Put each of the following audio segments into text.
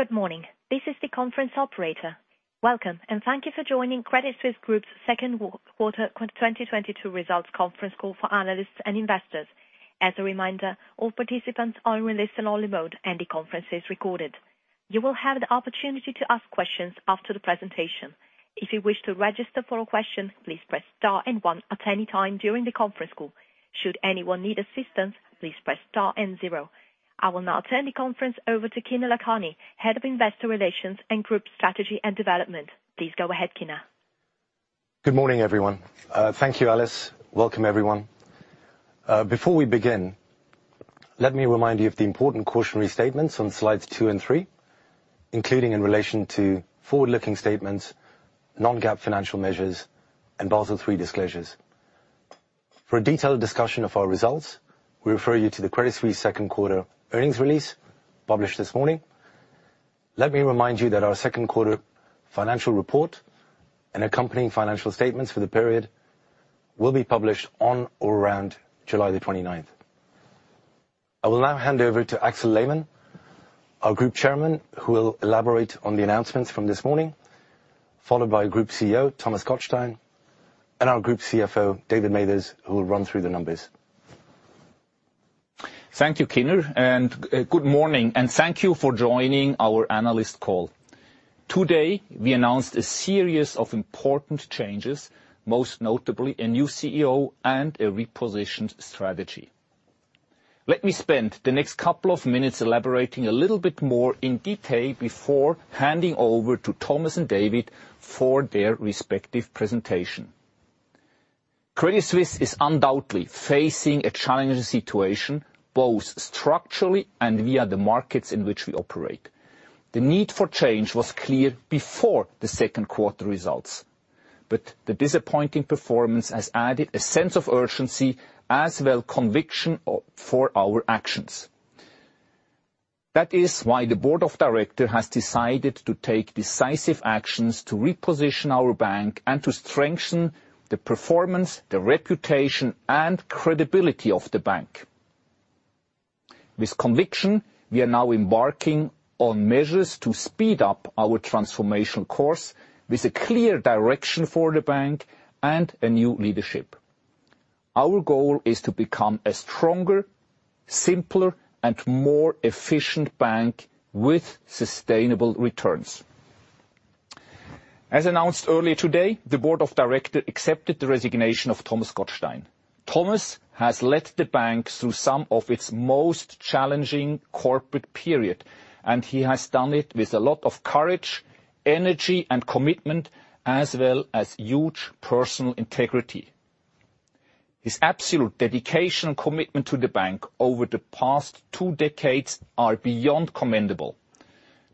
Good morning. This is the conference operator. Welcome, and thank you for joining Credit Suisse Group's second quarter 2022 results conference call for analysts and investors. As a reminder, all participants are in listen-only mode, and the conference is recorded. You will have the opportunity to ask questions after the presentation. If you wish to register for a question, please press star and one at any time during the conference call. Should anyone need assistance, please press star and zero. I will now turn the conference over to Kinner Lakhani, Head of Investor Relations and Group Strategy and Development. Please go ahead, Kinner. Good morning, everyone. Thank you, Alice. Welcome, everyone. Before we begin, let me remind you of the important cautionary statements on slides two and three, including in relation to forward-looking statements, non-GAAP financial measures, and Basel III disclosures. For a detailed discussion of our results, we refer you to the Credit Suisse second quarter earnings release published this morning. Let me remind you that our second quarter financial report and accompanying financial statements for the period will be published on or around July 29th. I will now hand over to Axel Lehmann, our Group Chairman, who will elaborate on the announcements from this morning, followed by Group CEO Thomas Gottstein, and our Group CFO David Mathers, who will run through the numbers. Thank you, Kinner, and good morning, and thank you for joining our analyst call. Today, we announced a series of important changes, most notably a new CEO and a repositioned strategy. Let me spend the next couple of minutes elaborating a little bit more in detail before handing over to Thomas and David for their respective presentation. Credit Suisse is undoubtedly facing a challenging situation, both structurally and via the markets in which we operate. The need for change was clear before the second quarter results, but the disappointing performance has added a sense of urgency as well as conviction for our actions. That is why the board of directors has decided to take decisive actions to reposition our bank and to strengthen the performance, the reputation, and credibility of the bank. With conviction, we are now embarking on measures to speed up our transformation course with a clear direction for the bank and a new leadership. Our goal is to become a stronger, simpler, and more efficient bank with sustainable returns. As announced earlier today, the Board of Directors accepted the resignation of Thomas Gottstein. Thomas has led the bank through some of its most challenging corporate period, and he has done it with a lot of courage, energy, and commitment, as well as huge personal integrity. His absolute dedication and commitment to the bank over the past two decades are beyond commendable.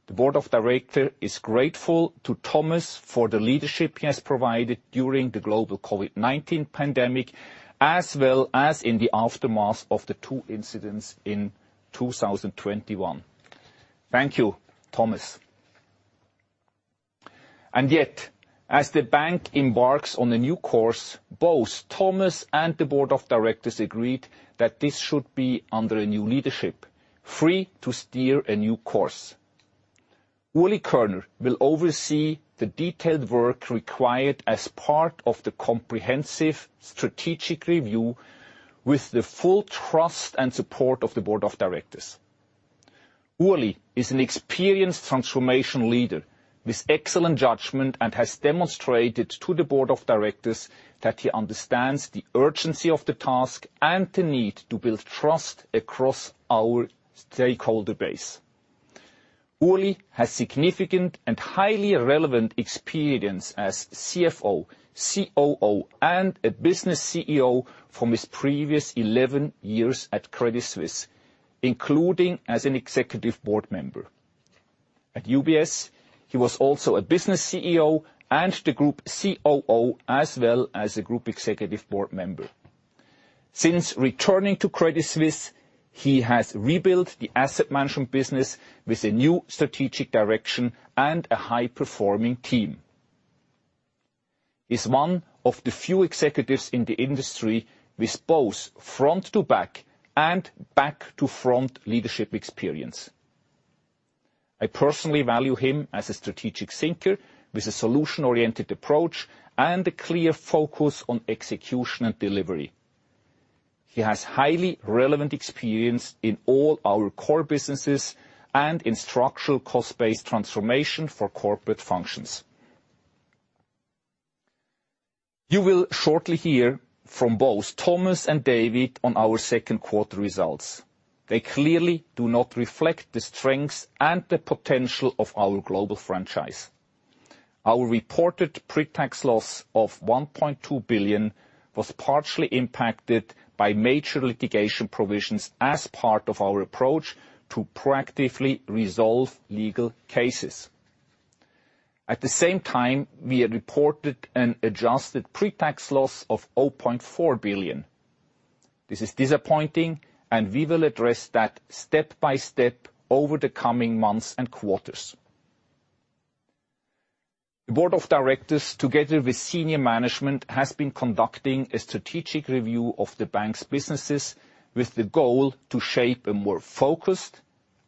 The Board of Directors is grateful to Thomas for the leadership he has provided during the global COVID-19 pandemic, as well as in the aftermath of the two incidents in 2021. Thank you, Thomas. Yet, as the bank embarks on a new course, both Thomas and the board of directors agreed that this should be under a new leadership, free to steer a new course. Ulrich Körner will oversee the detailed work required as part of the comprehensive strategic review with the full trust and support of the board of directors. Ulrich is an experienced transformation leader with excellent judgment and has demonstrated to the board of directors that he understands the urgency of the task and the need to build trust across our stakeholder base. Ulrich has significant and highly relevant experience as CFO, COO, and a business CEO from his previous eleven years at Credit Suisse, including as an executive board member. At UBS, he was also a business CEO and the group COO, as well as a group executive board member. Since returning to Credit Suisse, he has rebuilt the asset management business with a new strategic direction and a high-performing team. He's one of the few executives in the industry with both front to back and back to front leadership experience. I personally value him as a strategic thinker with a solution-oriented approach and a clear focus on execution and delivery. He has highly relevant experience in all our core businesses and in structural cost-based transformation for corporate functions. You will shortly hear from both Thomas and David on our second quarter results. They clearly do not reflect the strengths and the potential of our global franchise. Our reported pre-tax loss of 1.2 billion was partially impacted by major litigation provisions as part of our approach to proactively resolve legal cases. At the same time, we had reported an adjusted pre-tax loss of 0.4 billion. This is disappointing, and we will address that step by step over the coming months and quarters. The Board of Directors, together with senior management, has been conducting a strategic review of the bank's businesses with the goal to shape a more focused,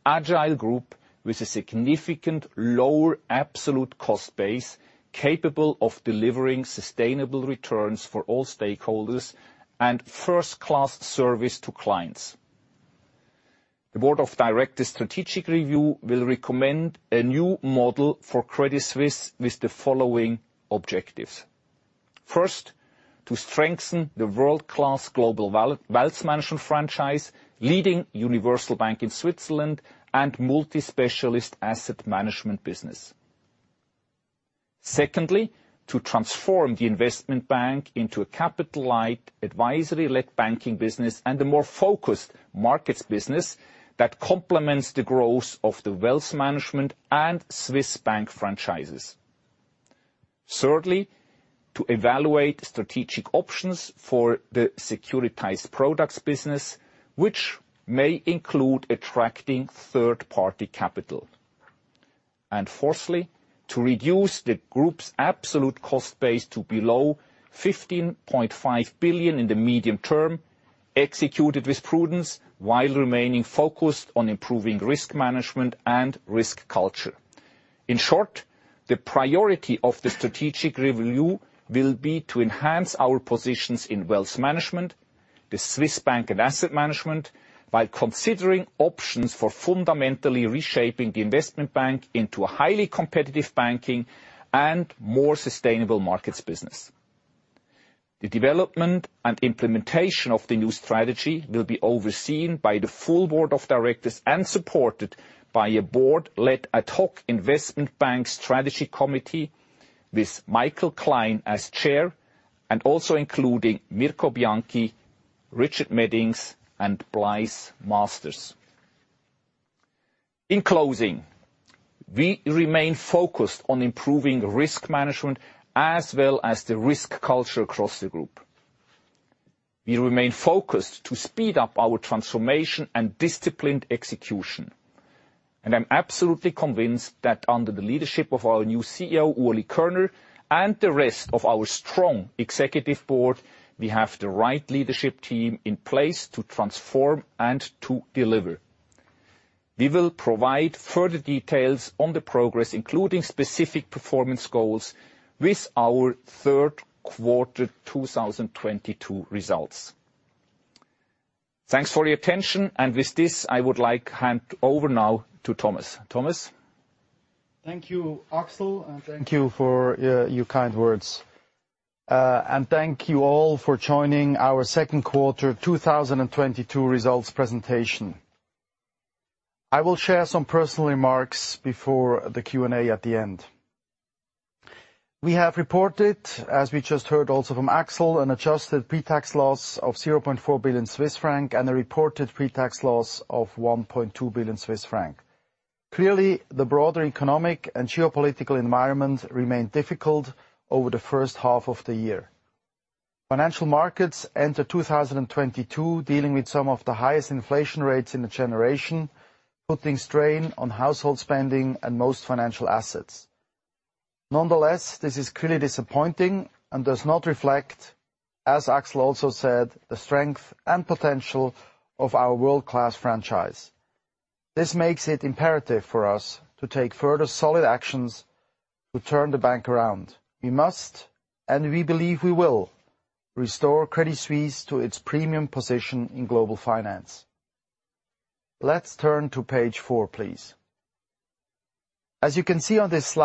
agile group with a significantly lower absolute cost base, capable of delivering sustainable returns for all stakeholders and first-class service to clients. The Board of Directors' strategic review will recommend a new model for Credit Suisse with the following objectives. First, to strengthen the world-class global wealth management franchise, leading Universal Bank in Switzerland, and multi-specialist asset management business. Secondly, to transform the investment bank into a capital-light advisory-led banking business, and a more focused markets business that complements the growth of the wealth management and Swiss bank franchises. Thirdly, to evaluate strategic options for the Securitized Products business, which may include attracting third-party capital. Fourthly, to reduce the group's absolute cost base to below 15.5 billion in the medium term, executed with prudence while remaining focused on improving risk management and risk culture. In short, the priority of the strategic review will be to enhance our positions in wealth management, the Swiss bank and asset management, by considering options for fundamentally reshaping the investment bank into a highly competitive banking and more sustainable markets business. The development and implementation of the new strategy will be overseen by the full board of directors, and supported by a board-led ad hoc investment bank strategy committee, with Michael Klein as chair and also including Mirko Bianchi, Richard Meddings, and Blythe Masters. In closing, we remain focused on improving risk management as well as the risk culture across the group. We remain focused to speed up our transformation and disciplined execution, and I'm absolutely convinced that under the leadership of our new CEO, Ulrich Körner, and the rest of our strong executive board, we have the right leadership team in place to transform and to deliver. We will provide further details on the progress, including specific performance goals, with our third quarter 2022 results. Thanks for your attention. With this, I would like to hand over now to Thomas. Thomas? Thank you, Axel, and thank you for your kind words. Thank you all for joining our second quarter 2022 results presentation. I will share some personal remarks before the Q&A at the end. We have reported, as we just heard also from Axel, an adjusted pre-tax loss of 0.4 billion Swiss franc and a reported pre-tax loss of 1.2 billion Swiss franc. Clearly, the broader economic and geopolitical environment remained difficult over the first half of the year. Financial markets enter 2022 dealing with some of the highest inflation rates in a generation, putting strain on household spending and most financial assets. Nonetheless, this is clearly disappointing and does not reflect, as Axel also said, the strength and potential of our world-class franchise. This makes it imperative for us to take further solid actions to turn the bank around. We must, and we believe we will, restore Credit Suisse to its premium position in global finance. Let's turn to page four, please. As you can see on this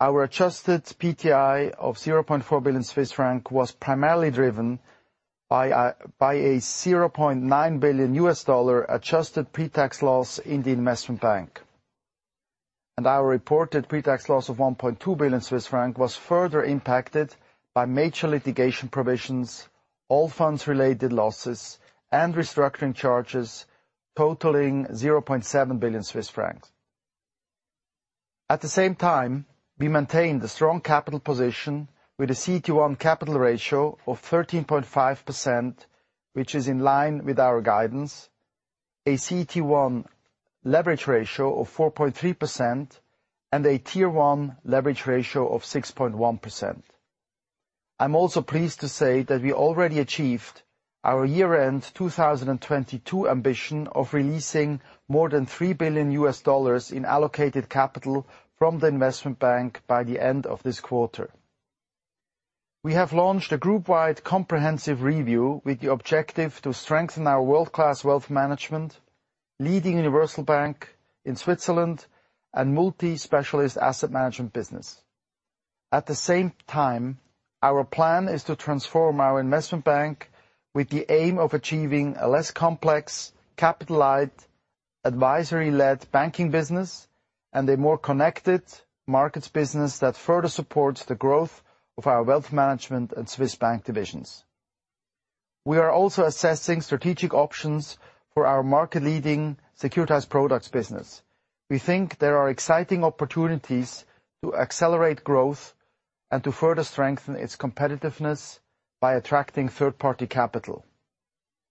slide, our adjusted PTI of 0.4 billion Swiss franc was primarily driven by a $0.9 billion adjusted pre-tax loss in the investment bank. Our reported pre-tax loss of 1.2 billion Swiss francs was further impacted by major litigation provisions, Allfunds-related losses, and restructuring charges totaling 0.7 billion Swiss francs. At the same time, we maintained a strong capital position with a CET1 capital ratio of 13.5%, which is in line with our guidance, a CET1 leverage ratio of 4.3%, and a Tier 1 leverage ratio of 6.1%. I'm also pleased to say that we already achieved our year-end 2022 ambition of releasing more than $3 billion in allocated capital from the investment bank by the end of this quarter. We have launched a group-wide comprehensive review with the objective to strengthen our world-class wealth management, leading Universal Bank in Switzerland, and multi-specialist asset management business. At the same time, our plan is to transform our investment bank with the aim of achieving a less complex capital light advisory-led banking business, and a more connected markets business that further supports the growth of our wealth management and Swiss bank divisions. We are also assessing strategic options for our market-leading securitized products business. We think there are exciting opportunities to accelerate growth and to further strengthen its competitiveness by attracting third-party capital.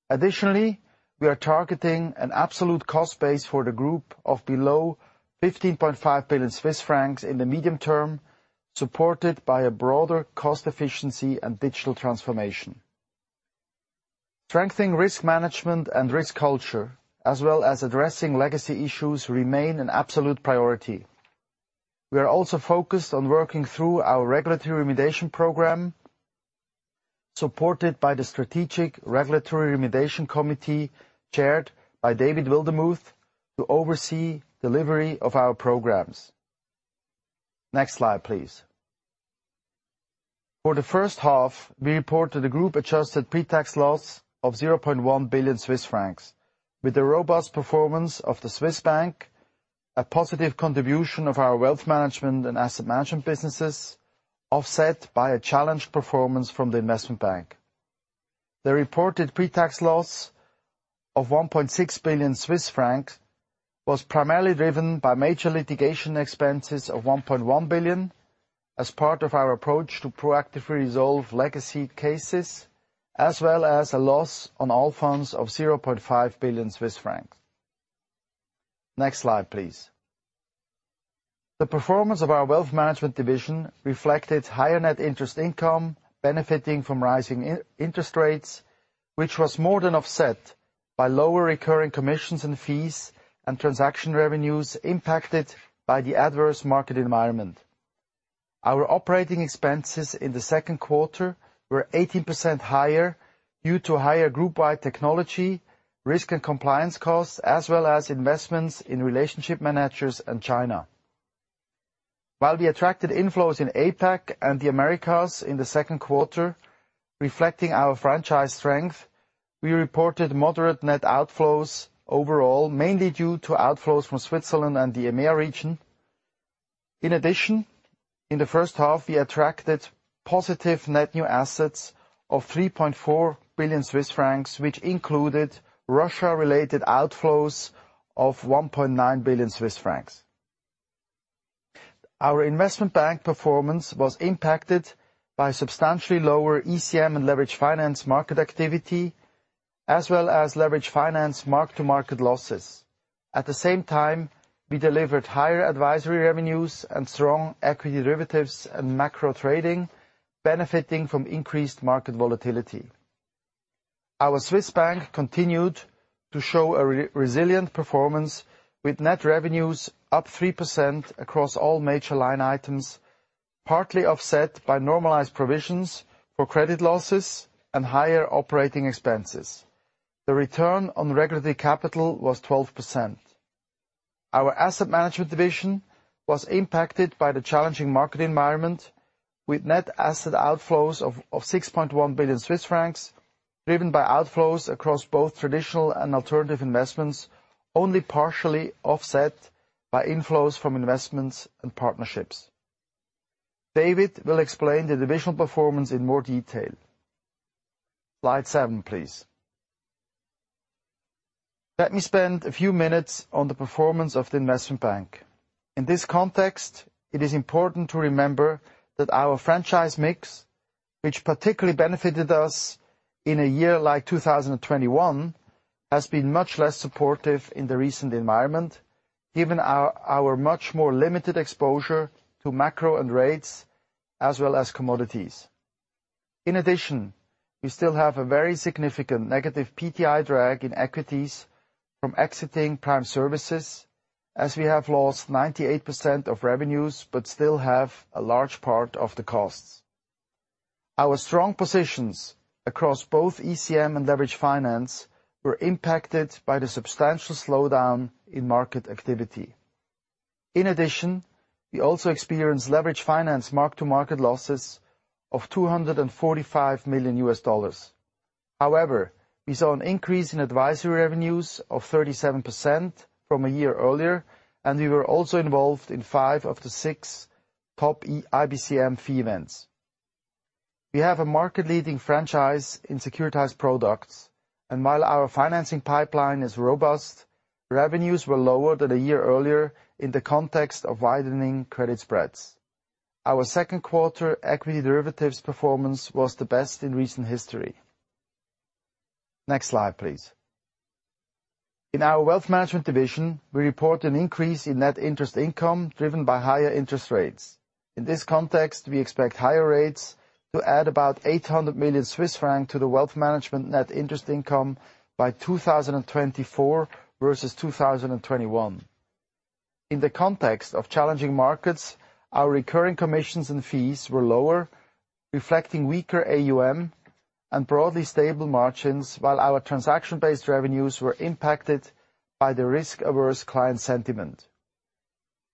Additionally, we are targeting an absolute cost base for the group of below 15.5 billion Swiss francs in the medium term, supported by a broader cost efficiency and digital transformation. Strengthening risk management and risk culture, as well as addressing legacy issues remain an absolute priority. We are also focused on working through our regulatory remediation program, supported by the strategic regulatory remediation committee, chaired by David Wildermuth, to oversee delivery of our programs. Next slide, please. For the first half, we reported a group-adjusted pretax loss of 0.1 billion Swiss francs. With the robust performance of the Swiss bank, a positive contribution of our wealth management and asset management businesses, offset by a challenged performance from the investment bank. The reported pretax loss of 1.6 billion Swiss francs was primarily driven by major litigation expenses of 1.1 billion as part of our approach to proactively resolve legacy cases, as well as a loss on Allfunds of 0.5 billion Swiss francs. Next slide, please. The performance of our wealth management division reflected higher net interest income benefiting from rising interest rates, which was more than offset by lower recurring commissions and fees and transaction revenues impacted by the adverse market environment. Our operating expenses in the second quarter were 18% higher due to higher group-wide technology, risk and compliance costs, as well as investments in relationship managers in China. While we attracted inflows in APAC and the Americas in the second quarter, reflecting our franchise strength, we reported moderate net outflows overall, mainly due to outflows from Switzerland and the EMEA region. In addition, in the first half, we attracted positive net new assets of 3.4 billion Swiss francs, which included Russia-related outflows of 1.9 billion Swiss francs. Our investment bank performance was impacted by substantially lower ECM and leveraged finance market activity, as well as leveraged finance mark-to-market losses. At the same time, we delivered higher advisory revenues and strong equity derivatives and macro trading, benefiting from increased market volatility. Our Swiss Bank continued to show a resilient performance with net revenues up 3% across all major line items, partly offset by normalized provisions for credit losses and higher operating expenses. The return on regulatory capital was 12%. Our asset management division was impacted by the challenging market environment, with net asset outflows of 6.1 billion Swiss francs, driven by outflows across both traditional and alternative investments, only partially offset by inflows from investments and partnerships. David will explain the divisional performance in more detail. Slide seven, please. Let me spend a few minutes on the performance of the investment bank. In this context, it is important to remember that our franchise mix, which particularly benefited us in a year like 2021, has been much less supportive in the recent environment, given our much more limited exposure to macro and rates, as well as commodities. In addition, we still have a very significant negative PTI drag in equities from exiting prime services, as we have lost 98% of revenues, but still have a large part of the costs. Our strong positions across both ECM and leveraged finance were impacted by the substantial slowdown in market activity. In addition, we also experienced leveraged finance mark-to-market losses of $245 million. However, we saw an increase in advisory revenues of 37% from a year earlier, and we were also involved in five of the six top IBCM fee events. We have a market-leading franchise in Securitized Products, and while our financing pipeline is robust, revenues were lower than a year earlier in the context of widening credit spreads. Our second quarter equity derivatives performance was the best in recent history. Next slide, please. In our wealth management division, we report an increase in net interest income driven by higher interest rates. In this context, we expect higher rates to add about 800 million Swiss francs to the wealth management net interest income by 2024 versus 2021. In the context of challenging markets, our recurring commissions and fees were lower, reflecting weaker AUM and broadly stable margins, while our transaction-based revenues were impacted by the risk-averse client sentiment.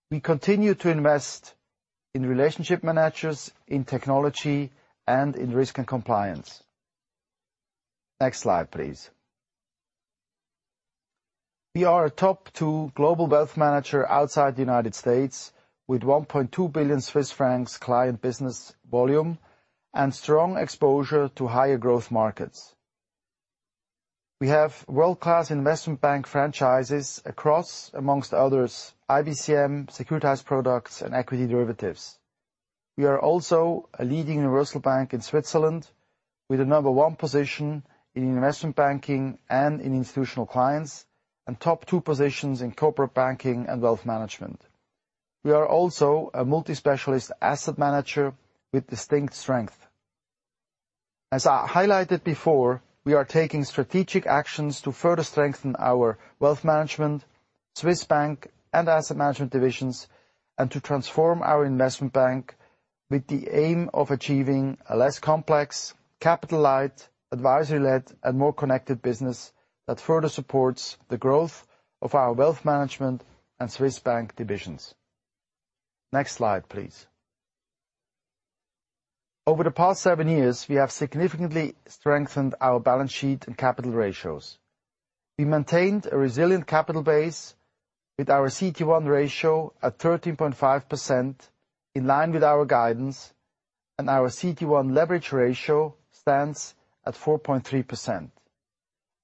We continue to invest in relationship managers, in technology, and in risk and compliance. Next slide, please. We are a top two global wealth manager outside the United States with 1.2 billion Swiss francs client business volume and strong exposure to higher growth markets. We have world-class investment bank franchises across, among others, IBCM, Securitized Products, and equity derivatives. We are also a leading universal bank in Switzerland, with a number one position in investment banking and in institutional clients, and top two positions in corporate banking and wealth management. We are also a multi-specialist asset manager with distinct strength. As I highlighted before, we are taking strategic actions to further strengthen our wealth management, Swiss bank, and asset management divisions, and to transform our investment bank with the aim of achieving a less complex, capital-light, advisory-led, and more connected business that further supports the growth of our wealth management and Swiss bank divisions. Next slide, please. Over the past seven years, we have significantly strengthened our balance sheet and capital ratios. We maintained a resilient capital base with our CET1 ratio at 13.5%, in line with our guidance, and our CET1 leverage ratio stands at 4.3%.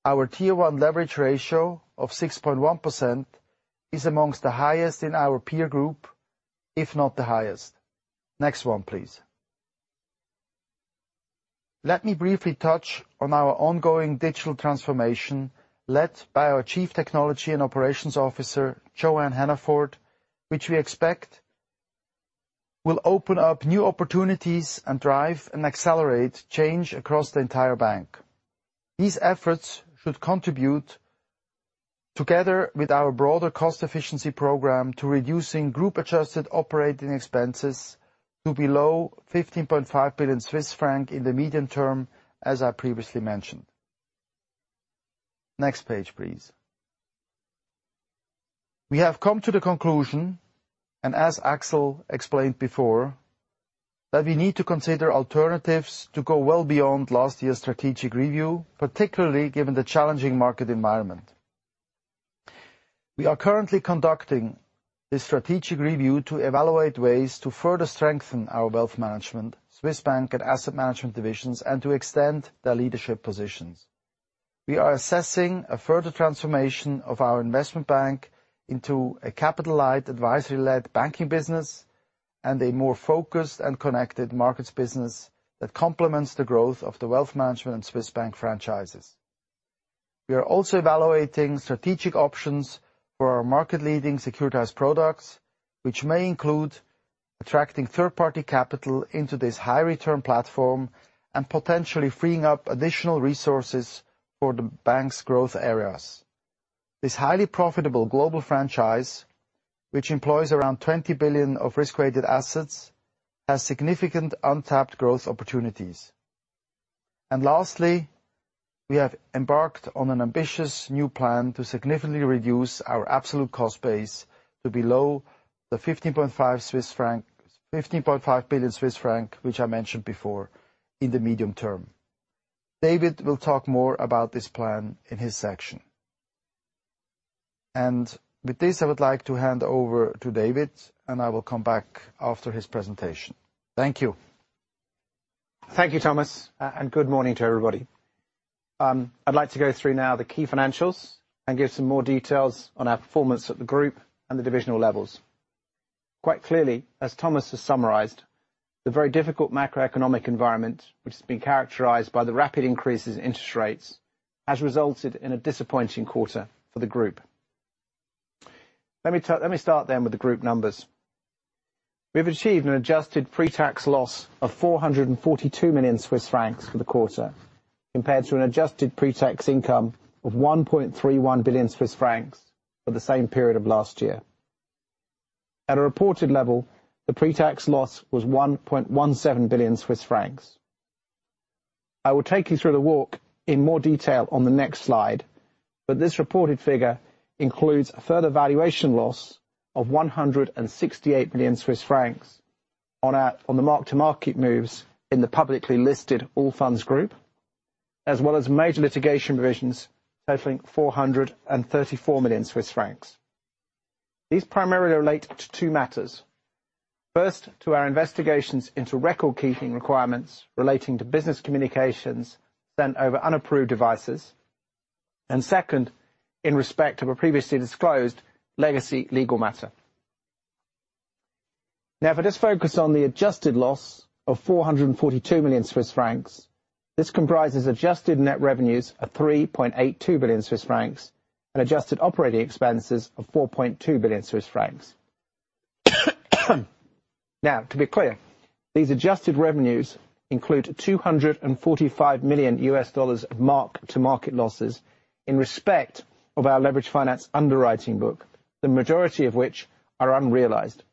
Our Tier 1 leverage ratio of 6.1% is among the highest in our peer group, if not the highest. Next one, please. Let me briefly touch on our ongoing digital transformation, led by our Chief Technology and Operations Officer, Joanne Hannaford, which we expect will open up new opportunities and drive and accelerate change across the entire bank. These efforts should contribute together with our broader cost efficiency program to reducing group-adjusted operating expenses to below 15.5 billion Swiss franc in the medium term, as I previously mentioned. Next page, please. We have come to the conclusion, and as Axel Lehmann explained before, that we need to consider alternatives to go well beyond last year's strategic review, particularly given the challenging market environment. We are currently conducting the strategic review to evaluate ways to further strengthen our wealth management, Swiss bank and asset management divisions, and to extend their leadership positions. We are assessing a further transformation of our investment bank into a capital light, advisory-led banking business, and a more focused and connected markets business that complements the growth of the wealth management and Swiss bank franchises. We are also evaluating strategic options for our market-leading Securitized Products, which may include attracting third-party capital into this high-return platform and potentially freeing up additional resources for the bank's growth areas. This highly profitable global franchise, which employs around 20 billion of risk-weighted assets, has significant untapped growth opportunities. Lastly, we have embarked on an ambitious new plan to significantly reduce our absolute cost base to below 15.5 billion Swiss franc, which I mentioned before, in the medium term. David will talk more about this plan in his section. With this, I would like to hand over to David, and I will come back after his presentation. Thank you. Thank you, Thomas, and good morning to everybody. I'd like to go through now the key financials and give some more details on our performance at the group and the divisional levels. Quite clearly, as Thomas has summarized, the very difficult macroeconomic environment, which has been characterized by the rapid increases in interest rates, has resulted in a disappointing quarter for the group. Let me start then with the group numbers. We've achieved an adjusted pre-tax loss of 442 million Swiss francs for the quarter, compared to an adjusted pre-tax income of 1.31 billion Swiss francs for the same period of last year. At a reported level, the pre-tax loss was 1.17 billion Swiss francs. I will take you through the walk in more detail on the next slide, but this reported figure includes a further valuation loss of 168 million Swiss francs on the mark-to-market moves in the publicly listed Allfunds Group, as well as major litigation provisions totaling 434 million Swiss francs. These primarily relate to two matters. First, to our investigations into record-keeping requirements relating to business communications sent over unapproved devices. Second, in respect of a previously disclosed legacy legal matter. Now for this focus on the adjusted loss of 442 million Swiss francs, this comprises adjusted net revenues of 3.82 billion Swiss francs and adjusted operating expenses of 4.2 billion Swiss francs. Now, to be clear, these adjusted revenues include $245 million of mark-to-market losses in respect of our leveraged finance underwriting book, the majority of which are unrealized.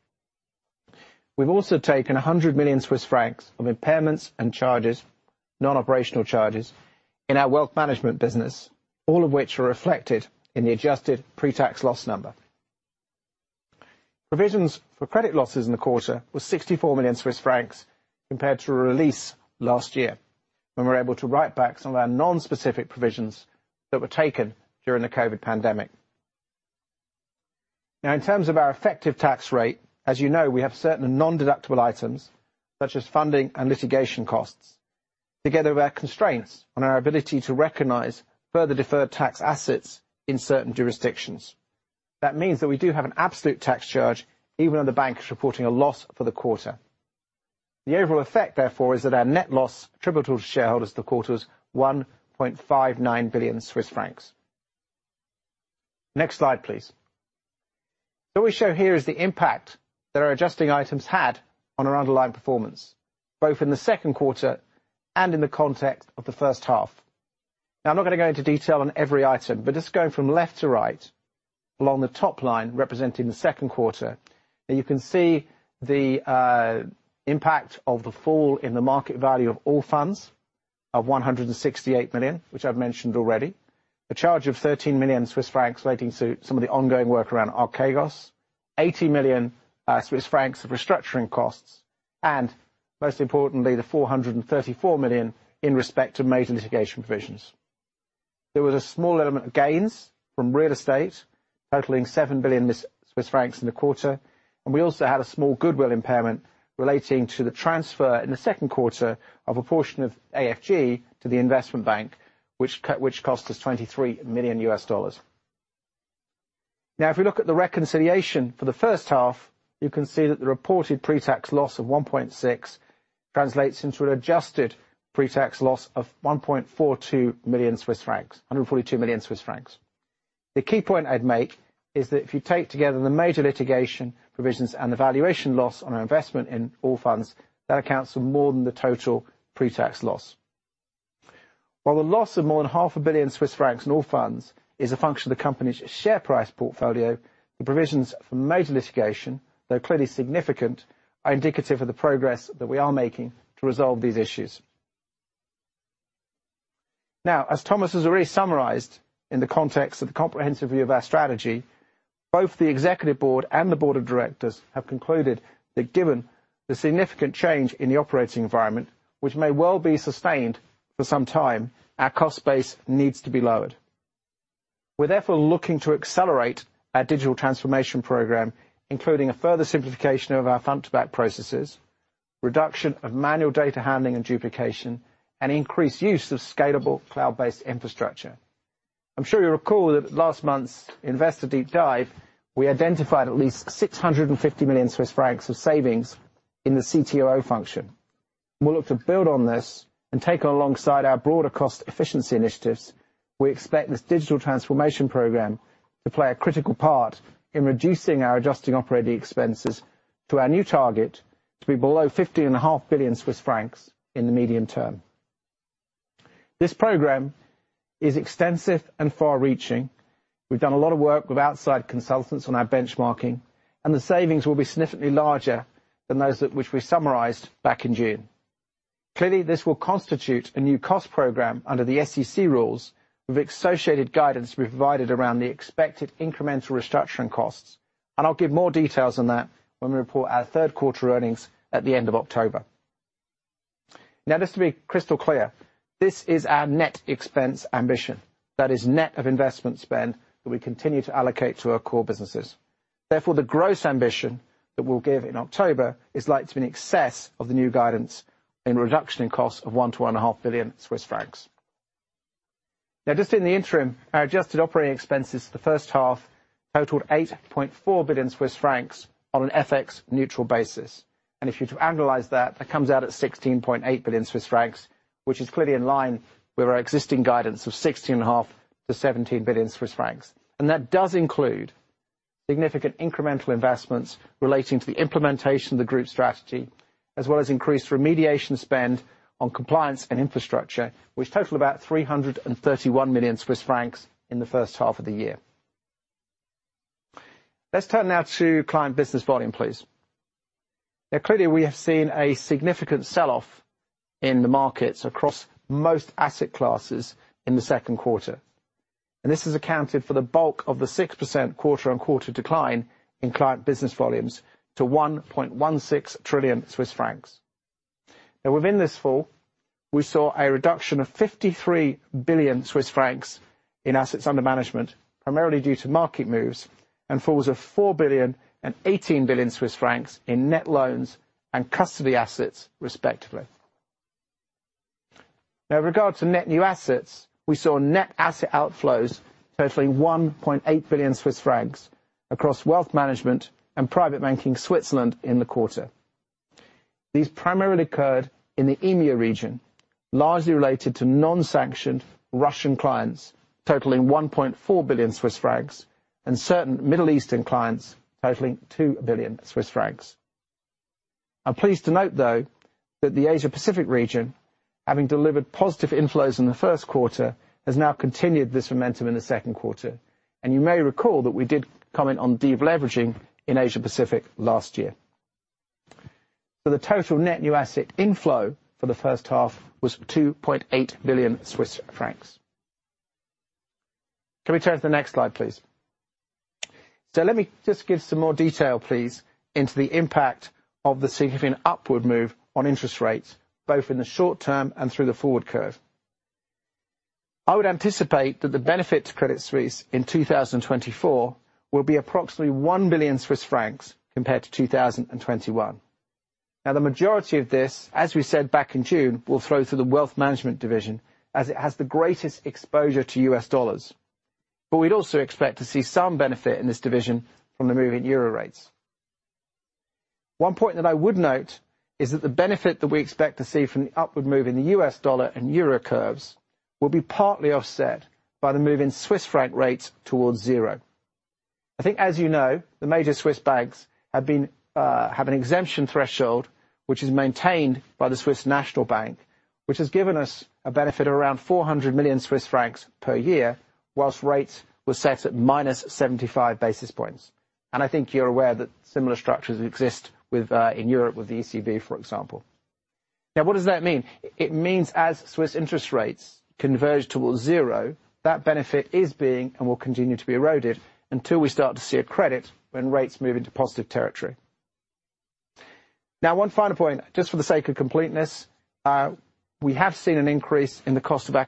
We've also taken 100 million Swiss francs of impairments and charges, non-operational charges, in our wealth management business, all of which are reflected in the adjusted pre-tax loss number. Provisions for credit losses in the quarter was 64 million Swiss francs compared to a release last year, when we were able to write back some of our non-specific provisions that were taken during the COVID pandemic. Now in terms of our effective tax rate, as you know, we have certain nondeductible items such as funding and litigation costs. Together with our constraints on our ability to recognize further deferred tax assets in certain jurisdictions. That means that we do have an absolute tax charge, even though the bank is reporting a loss for the quarter. The overall effect, therefore, is that our net loss attributable to shareholders for the quarter is 1.59 billion Swiss francs. Next slide, please. What we show here is the impact that our adjusting items had on our underlying performance, both in the second quarter and in the context of the first half. Now, I'm not gonna go into detail on every item, but just going from left to right along the top line representing the second quarter, and you can see the impact of the fall in the market value of Allfunds of 168 million, which I've mentioned already. A charge of 13 million Swiss francs relating to some of the ongoing work around Archegos. 80 million Swiss francs of restructuring costs, and most importantly, the 434 million in respect to major litigation provisions. There was a small element of gains from real estate totaling 7 billion Swiss francs in the quarter, and we also had a small goodwill impairment relating to the transfer in the second quarter of a portion of AFG to the investment bank, which cost us $23 million. Now, if we look at the reconciliation for the first half, you can see that the reported pretax loss of 1.6 billion translates into an adjusted pretax loss of 142 million Swiss francs. The key point I'd make is that if you take together the major litigation provisions and the valuation loss on our investment in Allfunds, that accounts for more than the total pretax loss. While the loss of more than half a billion CHF in Allfunds is a function of the company's share price portfolio, the provisions for major litigation, though clearly significant, are indicative of the progress that we are making to resolve these issues. Now, as Thomas has already summarized in the context of the comprehensive view of our strategy, both the executive board and the board of directors have concluded that given the significant change in the operating environment, which may well be sustained for some time, our cost base needs to be lowered. We're therefore looking to accelerate our digital transformation program, including a further simplification of our front-to-back processes, reduction of manual data handling and duplication, and increased use of scalable cloud-based infrastructure. I'm sure you recall that at last month's Investor Deep Dive, we identified at least 650 million Swiss francs of savings in the CTO function. We'll look to build on this and take alongside our broader cost efficiency initiatives. We expect this digital transformation program to play a critical part in reducing our adjusting operating expenses to our new target to be below 15.5 billion Swiss francs in the medium term. This program is extensive and far-reaching. We've done a lot of work with outside consultants on our benchmarking, and the savings will be significantly larger than those which we summarized back in June. Clearly, this will constitute a new cost program under the SEC rules with associated guidance we provided around the expected incremental restructuring costs. I'll give more details on that when we report our third quarter earnings at the end of October. Now, just to be crystal clear, this is our net expense ambition. That is net of investment spend that we continue to allocate to our core businesses. Therefore, the gross ambition that we'll give in October is likely to be in excess of the new guidance in reduction in costs of 1 billion-1.5 billion Swiss francs. Now, just in the interim, our adjusted operating expenses for the first half totaled 8.4 billion Swiss francs on an FX neutral basis. If you're to annualize that comes out at 16.8 billion Swiss francs, which is clearly in line with our existing guidance of 16.5 billion-17 billion Swiss francs. That does include significant incremental investments relating to the implementation of the group strategy, as well as increased remediation spend on compliance and infrastructure, which total about 331 million Swiss francs in the first half of the year. Let's turn now to client business volume, please. Now, clearly, we have seen a significant sell-off in the markets across most asset classes in the second quarter. This has accounted for the bulk of the 6% quarter-on-quarter decline in client business volumes to 1.16 trillion Swiss francs. Now, within this fall, we saw a reduction of 53 billion Swiss francs in assets under management, primarily due to market moves, and falls of 4 billion and 18 billion Swiss francs in net loans and custody assets, respectively. Now, with regard to net new assets, we saw net asset outflows totaling 1.8 billion Swiss francs across wealth management and private banking Switzerland in the quarter. These primarily occurred in the EMEA region, largely related to non-sanctioned Russian clients, totaling 1.4 billion Swiss francs, and certain Middle Eastern clients totaling 2 billion Swiss francs. I'm pleased to note, though, that the Asia-Pacific region, having delivered positive inflows in the first quarter, has now continued this momentum in the second quarter. You may recall that we did comment on deleveraging in Asia-Pacific last year. The total net new asset inflow for the first half was 2.8 billion Swiss francs. Can we turn to the next slide, please? Let me just give some more detail, please, into the impact of the significant upward move on interest rates, both in the short term and through the forward curve. I would anticipate that the benefit to Credit Suisse in 2024 will be approximately 1 billion Swiss francs compared to 2021. Now, the majority of this, as we said back in June, will flow through the wealth management division as it has the greatest exposure to US dollars. We'd also expect to see some benefit in this division from the moving euro rates. One point that I would note is that the benefit that we expect to see from the upward move in the US dollar and euro curves will be partly offset by the move in Swiss franc rates towards zero. I think, as you know, the major Swiss banks have an exemption threshold which is maintained by the Swiss National Bank, which has given us a benefit of around 400 million Swiss francs per year, while rates were set at -75 basis points. I think you're aware that similar structures exist within Europe with the ECB, for example. Now, what does that mean? It means as Swiss interest rates converge towards zero, that benefit is being, and will continue to be, eroded until we start to see a credit when rates move into positive territory. Now, one final point, just for the sake of completeness. We have seen an increase in the cost of our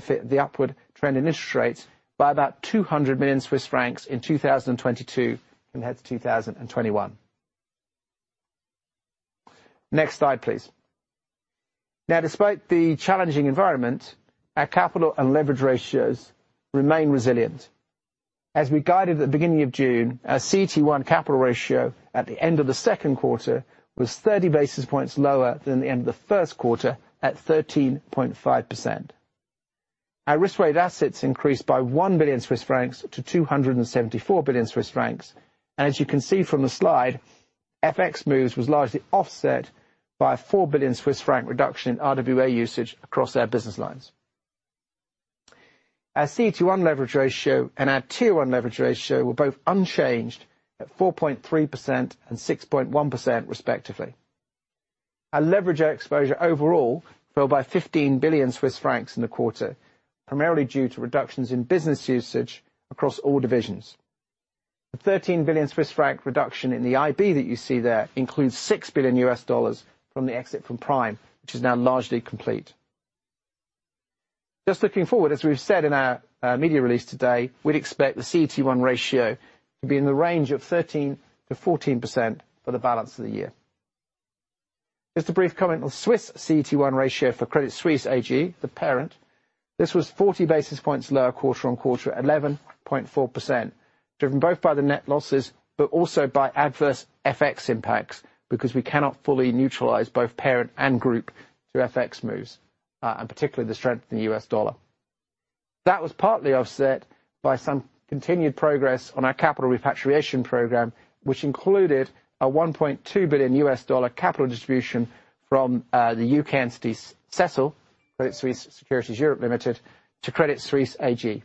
funding due to the upward trend in interest rates by about 200 million Swiss francs in 2022 compared to 2021. Next slide, please. Now, despite the challenging environment, our capital and leverage ratios remain resilient. As we guided at the beginning of June, our CET1 capital ratio at the end of the second quarter was 30 basis points lower than the end of the first quarter at 13.5%. Our risk-weighted assets increased by 1 billion-274 billion Swiss francs. As you can see from the slide, FX moves was largely offset by a 4 billion Swiss franc reduction in RWA usage across our business lines. Our CET1 leverage ratio and our Tier 1 leverage ratio were both unchanged at 4.3% and 6.1%, respectively. Our leverage exposure overall fell by 15 billion Swiss francs in the quarter, primarily due to reductions in business usage across all divisions. The 13 billion Swiss franc reduction in the IB that you see there includes $6 billion from the exit from Prime, which is now largely complete. Just looking forward, as we've said in our media release today, we'd expect the CET1 ratio to be in the range of 13%-14% for the balance of the year. Just a brief comment on Swiss CET1 ratio for Credit Suisse AG, the parent. This was 40 basis points lower quarter-on-quarter at 11.4%, driven both by the net losses, but also by adverse FX impacts because we cannot fully neutralize both parent and group through FX moves, and particularly the strength in the US dollar. That was partly offset by some continued progress on our capital repatriation program, which included a $1.2 billion capital distribution from the UK entity CSSEL, Credit Suisse Securities (Europe) Limited, to Credit Suisse AG.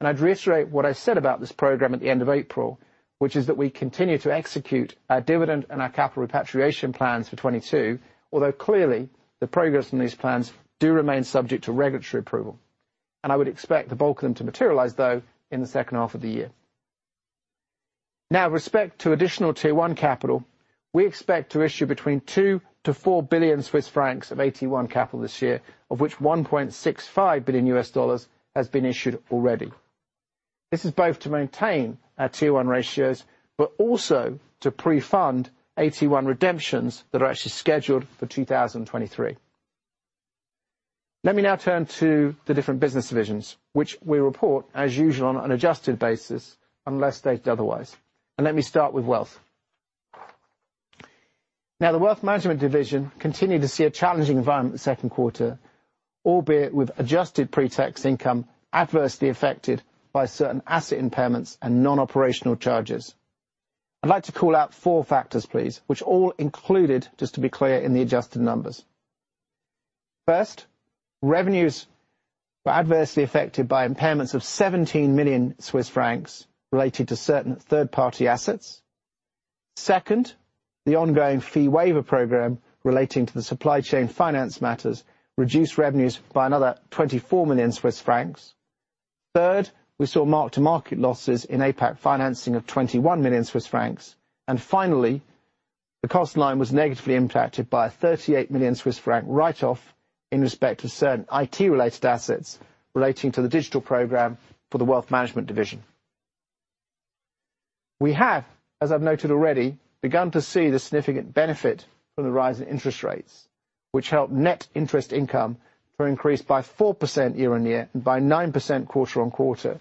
I'd reiterate what I said about this program at the end of April, which is that we continue to execute our dividend and our capital repatriation plans for 2022. Although clearly the progress on these plans do remain subject to regulatory approval. I would expect the bulk of them to materialize in the second half of the year. Now, with respect to additional Tier 1 capital, we expect to issue 2 billion-4 billion Swiss francs of AT1 capital this year, of which $1.65 billion has been issued already. This is both to maintain our Tier 1 ratios, but also to pre-fund AT1 redemptions that are actually scheduled for 2023. Let me now turn to the different business divisions, which we report as usual on an adjusted basis unless stated otherwise. Let me start with wealth. Now, the wealth management division continued to see a challenging environment the second quarter, albeit with adjusted pre-tax income adversely affected by certain asset impairments and non-operational charges. I'd like to call out four factors, please, which all included, just to be clear, in the adjusted numbers. First, revenues were adversely affected by impairments of 17 million Swiss francs related to certain third-party assets. Second, the ongoing fee waiver program relating to the supply chain finance matters reduced revenues by another 24 million Swiss francs. Third, we saw mark-to-market losses in APAC financing of 21 million Swiss francs. Finally, the cost line was negatively impacted by a 38 million Swiss franc write-off in respect to certain IT-related assets relating to the digital program for the wealth management division. We have, as I've noted already, begun to see the significant benefit from the rise in interest rates, which helped net interest income to increase by 4% year-on-year and by 9% quarter-on-quarter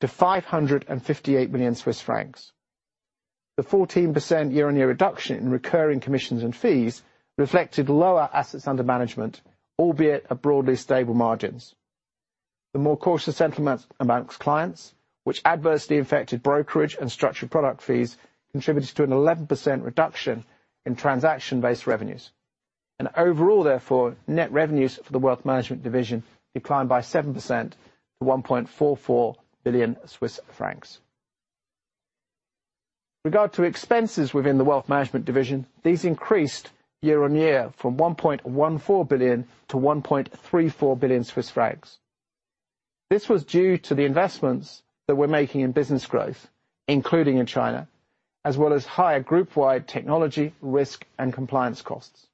to 558 million Swiss francs. The 14% year-on-year reduction in recurring commissions and fees reflected lower assets under management, albeit at broadly stable margins. The more cautious sentiment amongst clients, which adversely affected brokerage and structured product fees, contributed to an 11% reduction in transaction-based revenues. Overall therefore, net revenues for the wealth management division declined by 7% to 1.44 billion Swiss francs. With regard to expenses within the wealth management division, these increased year-on-year from 1.14 billion-1.34 billion Swiss francs. This was due to the investments that we're making in business growth, including in China, as well as higher group-wide technology, risk, and compliance costs.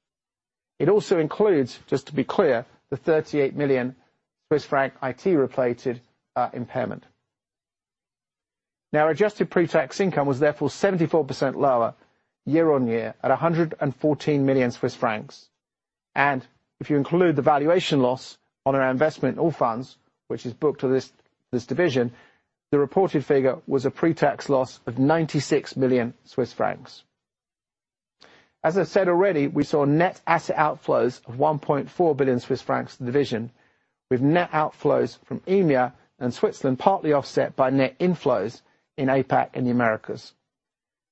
It also includes, just to be clear, the 38 million Swiss franc IT-related impairment. Now adjusted pre-tax income was therefore 74% lower year-on-year at 114 million Swiss francs. If you include the valuation loss on our investment in Allfunds, which is booked to this division, the reported figure was a pre-tax loss of 96 million Swiss francs. As I said already, we saw net asset outflows of 1.4 billion Swiss francs to the division, with net outflows from EMEA and Switzerland partly offset by net inflows in APAC and the Americas.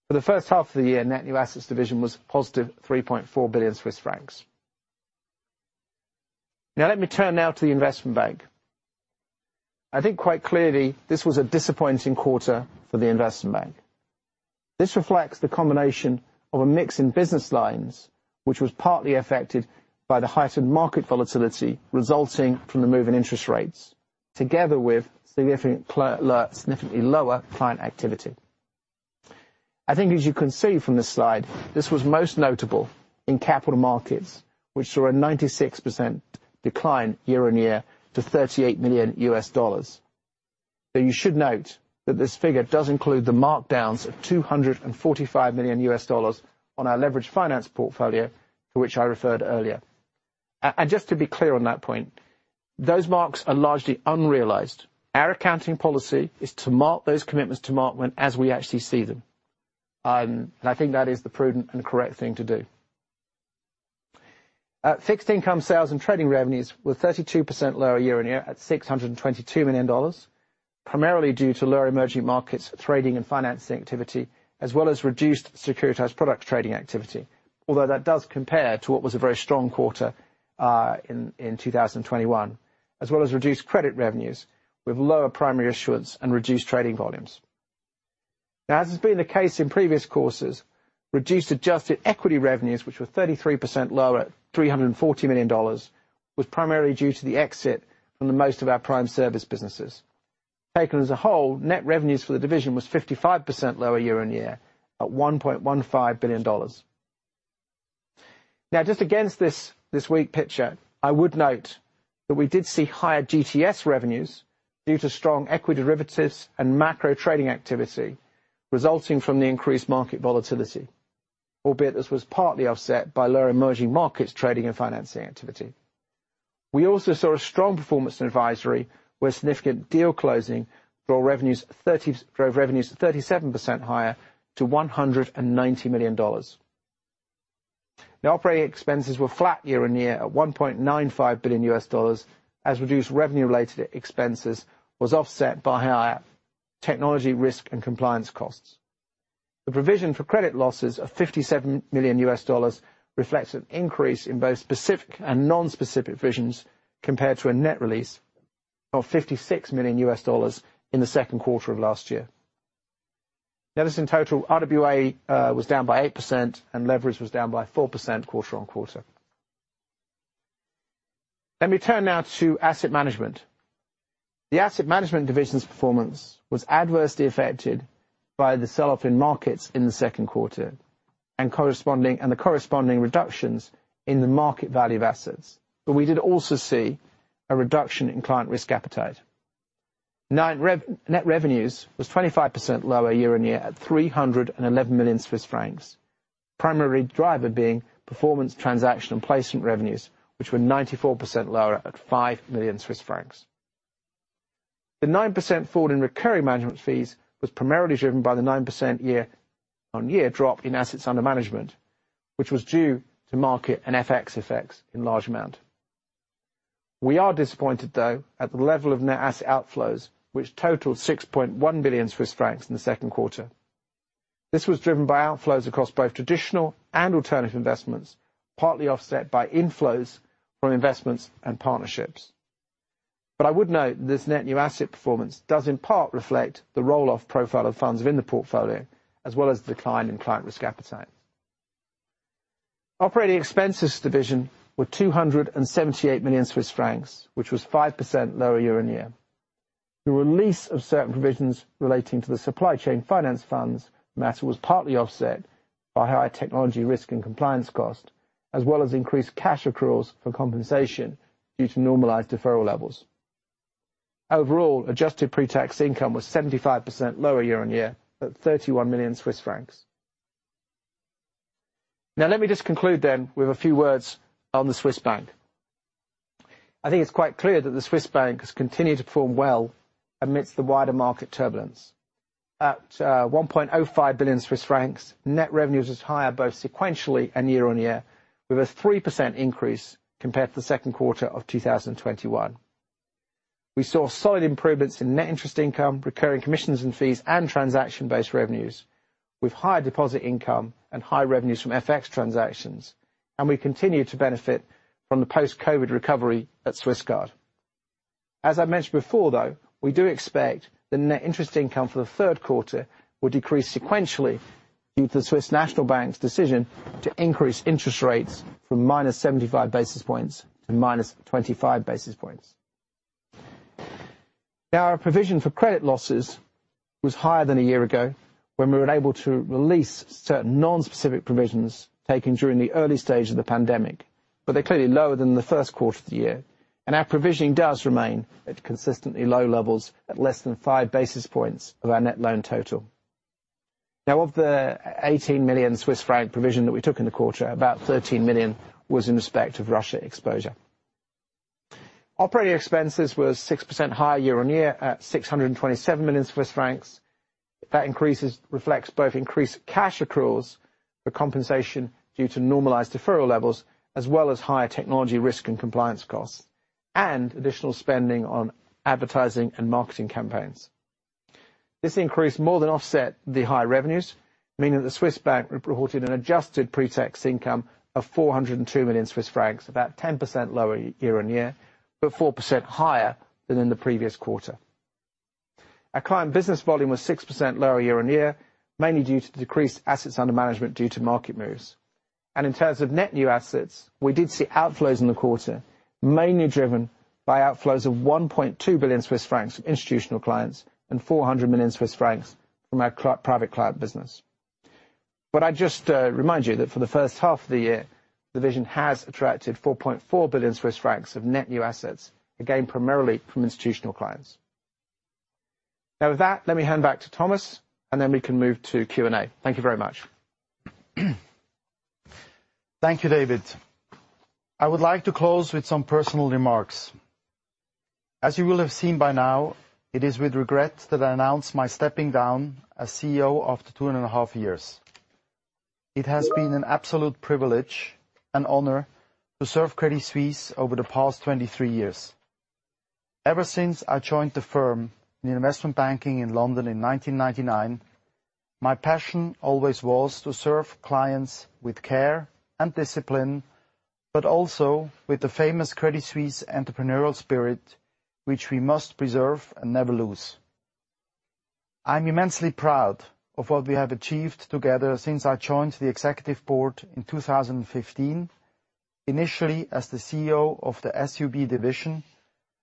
For the first half of the year, net new assets division was positive 3.4 billion Swiss francs. Now let me turn to the investment bank. I think quite clearly this was a disappointing quarter for the investment bank. This reflects the combination of a mix in business lines, which was partly affected by the heightened market volatility resulting from the move in interest rates, together with significantly lower client activity. I think as you can see from this slide, this was most notable in capital markets, which saw a 96% decline year-on-year to $38 million. You should note that this figure does include the markdowns of $245 million on our leveraged finance portfolio, to which I referred earlier. And just to be clear on that point, those marks are largely unrealized. Our accounting policy is to mark to market those commitments as we actually see them. I think that is the prudent and correct thing to do. Fixed income sales and trading revenues were 32% lower year-on-year at $622 million, primarily due to lower emerging markets trading and financing activity, as well as reduced Securitized Products trading activity. Although that does compare to what was a very strong quarter in 2021, as well as reduced credit revenues with lower primary issuance and reduced trading volumes. Now as has been the case in previous quarters, reduced adjusted equity revenues, which were 33% lower at $340 million, was primarily due to the exit from most of our prime services businesses. Taken as a whole, net revenues for the division was 55% lower year-on-year at $1.15 billion. Now just against this bleak picture, I would note that we did see higher GTS revenues due to strong equity derivatives and macro trading activity resulting from the increased market volatility, albeit this was partly offset by lower emerging markets trading and financing activity. We also saw a strong performance in advisory, where significant deal closing drove revenues 37% higher to $190 million. Now operating expenses were flat year-on-year at $1.95 billion as reduced revenue-related expenses was offset by higher technology risk and compliance costs. The provision for credit losses of $57 million reflects an increase in both specific and non-specific provisions compared to a net release of $56 million in the second quarter of last year. Notice in total, RWA was down by 8%, and leverage was down by 4% quarter-on-quarter. Let me turn now to asset management. The asset management division's performance was adversely affected by the sell-off in markets in the second quarter and the corresponding reductions in the market value of assets. We did also see a reduction in client risk appetite. Net revenues was 25% lower year-on-year at 311 million Swiss francs. Primary driver being performance, transaction, and placement revenues, which were 94% lower at 5 million Swiss francs. The 9% fall in recurring management fees was primarily driven by the 9% year-on-year drop in assets under management, which was due to market and FX effects in large amount. We are disappointed though at the level of net asset outflows, which totaled 6.1 billion Swiss francs in the second quarter. This was driven by outflows across both traditional and alternative investments, partly offset by inflows from investments and partnerships. I would note this net new asset performance does in part reflect the roll-off profile of funds within the portfolio, as well as the decline in client risk appetite. Operating expenses division were 278 million Swiss francs, which was 5% lower year-on-year. The release of certain provisions relating to the supply chain finance funds matter was partly offset by higher technology risk and compliance cost, as well as increased cash accruals for compensation due to normalized deferral levels. Overall, adjusted pre-tax income was 75% lower year-on-year at 31 million Swiss francs. Now let me just conclude then with a few words on the Swiss bank. I think it's quite clear that the Swiss bank has continued to perform well amidst the wider market turbulence. At 1.05 billion Swiss francs, net revenues was higher both sequentially and year-on-year, with a 3% increase compared to the second quarter of 2021. We saw solid improvements in net interest income, recurring commissions and fees, and transaction-based revenues, with higher deposit income and higher revenues from FX transactions, and we continued to benefit from the post-Covid recovery at Swisscard. As I mentioned before though, we do expect the net interest income for the third quarter will decrease sequentially. Due to the Swiss National Bank's decision to increase interest rates from -75 basis points to -25 basis points. Now our provision for credit losses was higher than a year ago when we were able to release certain non-specific provisions taken during the early stage of the pandemic, but they're clearly lower than the first quarter of the year, and our provisioning does remain at consistently low levels at less than 5 basis points of our net loan total. Now of the 18 million Swiss franc provision that we took in the quarter, about 13 million was in respect of Russia exposure. Operating expenses was 6% higher year-on-year at 627 million Swiss francs. That increase reflects both increased cash accruals for compensation due to normalized deferral levels, as well as higher technology risk and compliance costs and additional spending on advertising and marketing campaigns. This increase more than offset the higher revenues, meaning that the Swiss bank reported an adjusted pre-tax income of 402 million Swiss francs, about 10% lower year-on-year, but 4% higher than in the previous quarter. Our client business volume was 6% lower year-on-year, mainly due to decreased assets under management due to market moves. In terms of net new assets, we did see outflows in the quarter, mainly driven by outflows of 1.2 billion Swiss francs from institutional clients and 400 million Swiss francs from our private client business. I'd just remind you that for the first half of the year, the division has attracted 4.4 billion Swiss francs of net new assets, again, primarily from institutional clients. Now with that, let me hand back to Thomas, and then we can move to Q&A. Thank you very much. Thank you, David. I would like to close with some personal remarks. As you will have seen by now, it is with regret that I announce my stepping down as CEO after two and a half years. It has been an absolute privilege and honor to serve Credit Suisse over the past 23 years. Ever since I joined the firm in investment banking in London in 1999, my passion always was to serve clients with care and discipline, but also with the famous Credit Suisse entrepreneurial spirit, which we must preserve and never lose. I'm immensely proud of what we have achieved together since I joined the executive board in 2015, initially as the CEO of the SUB division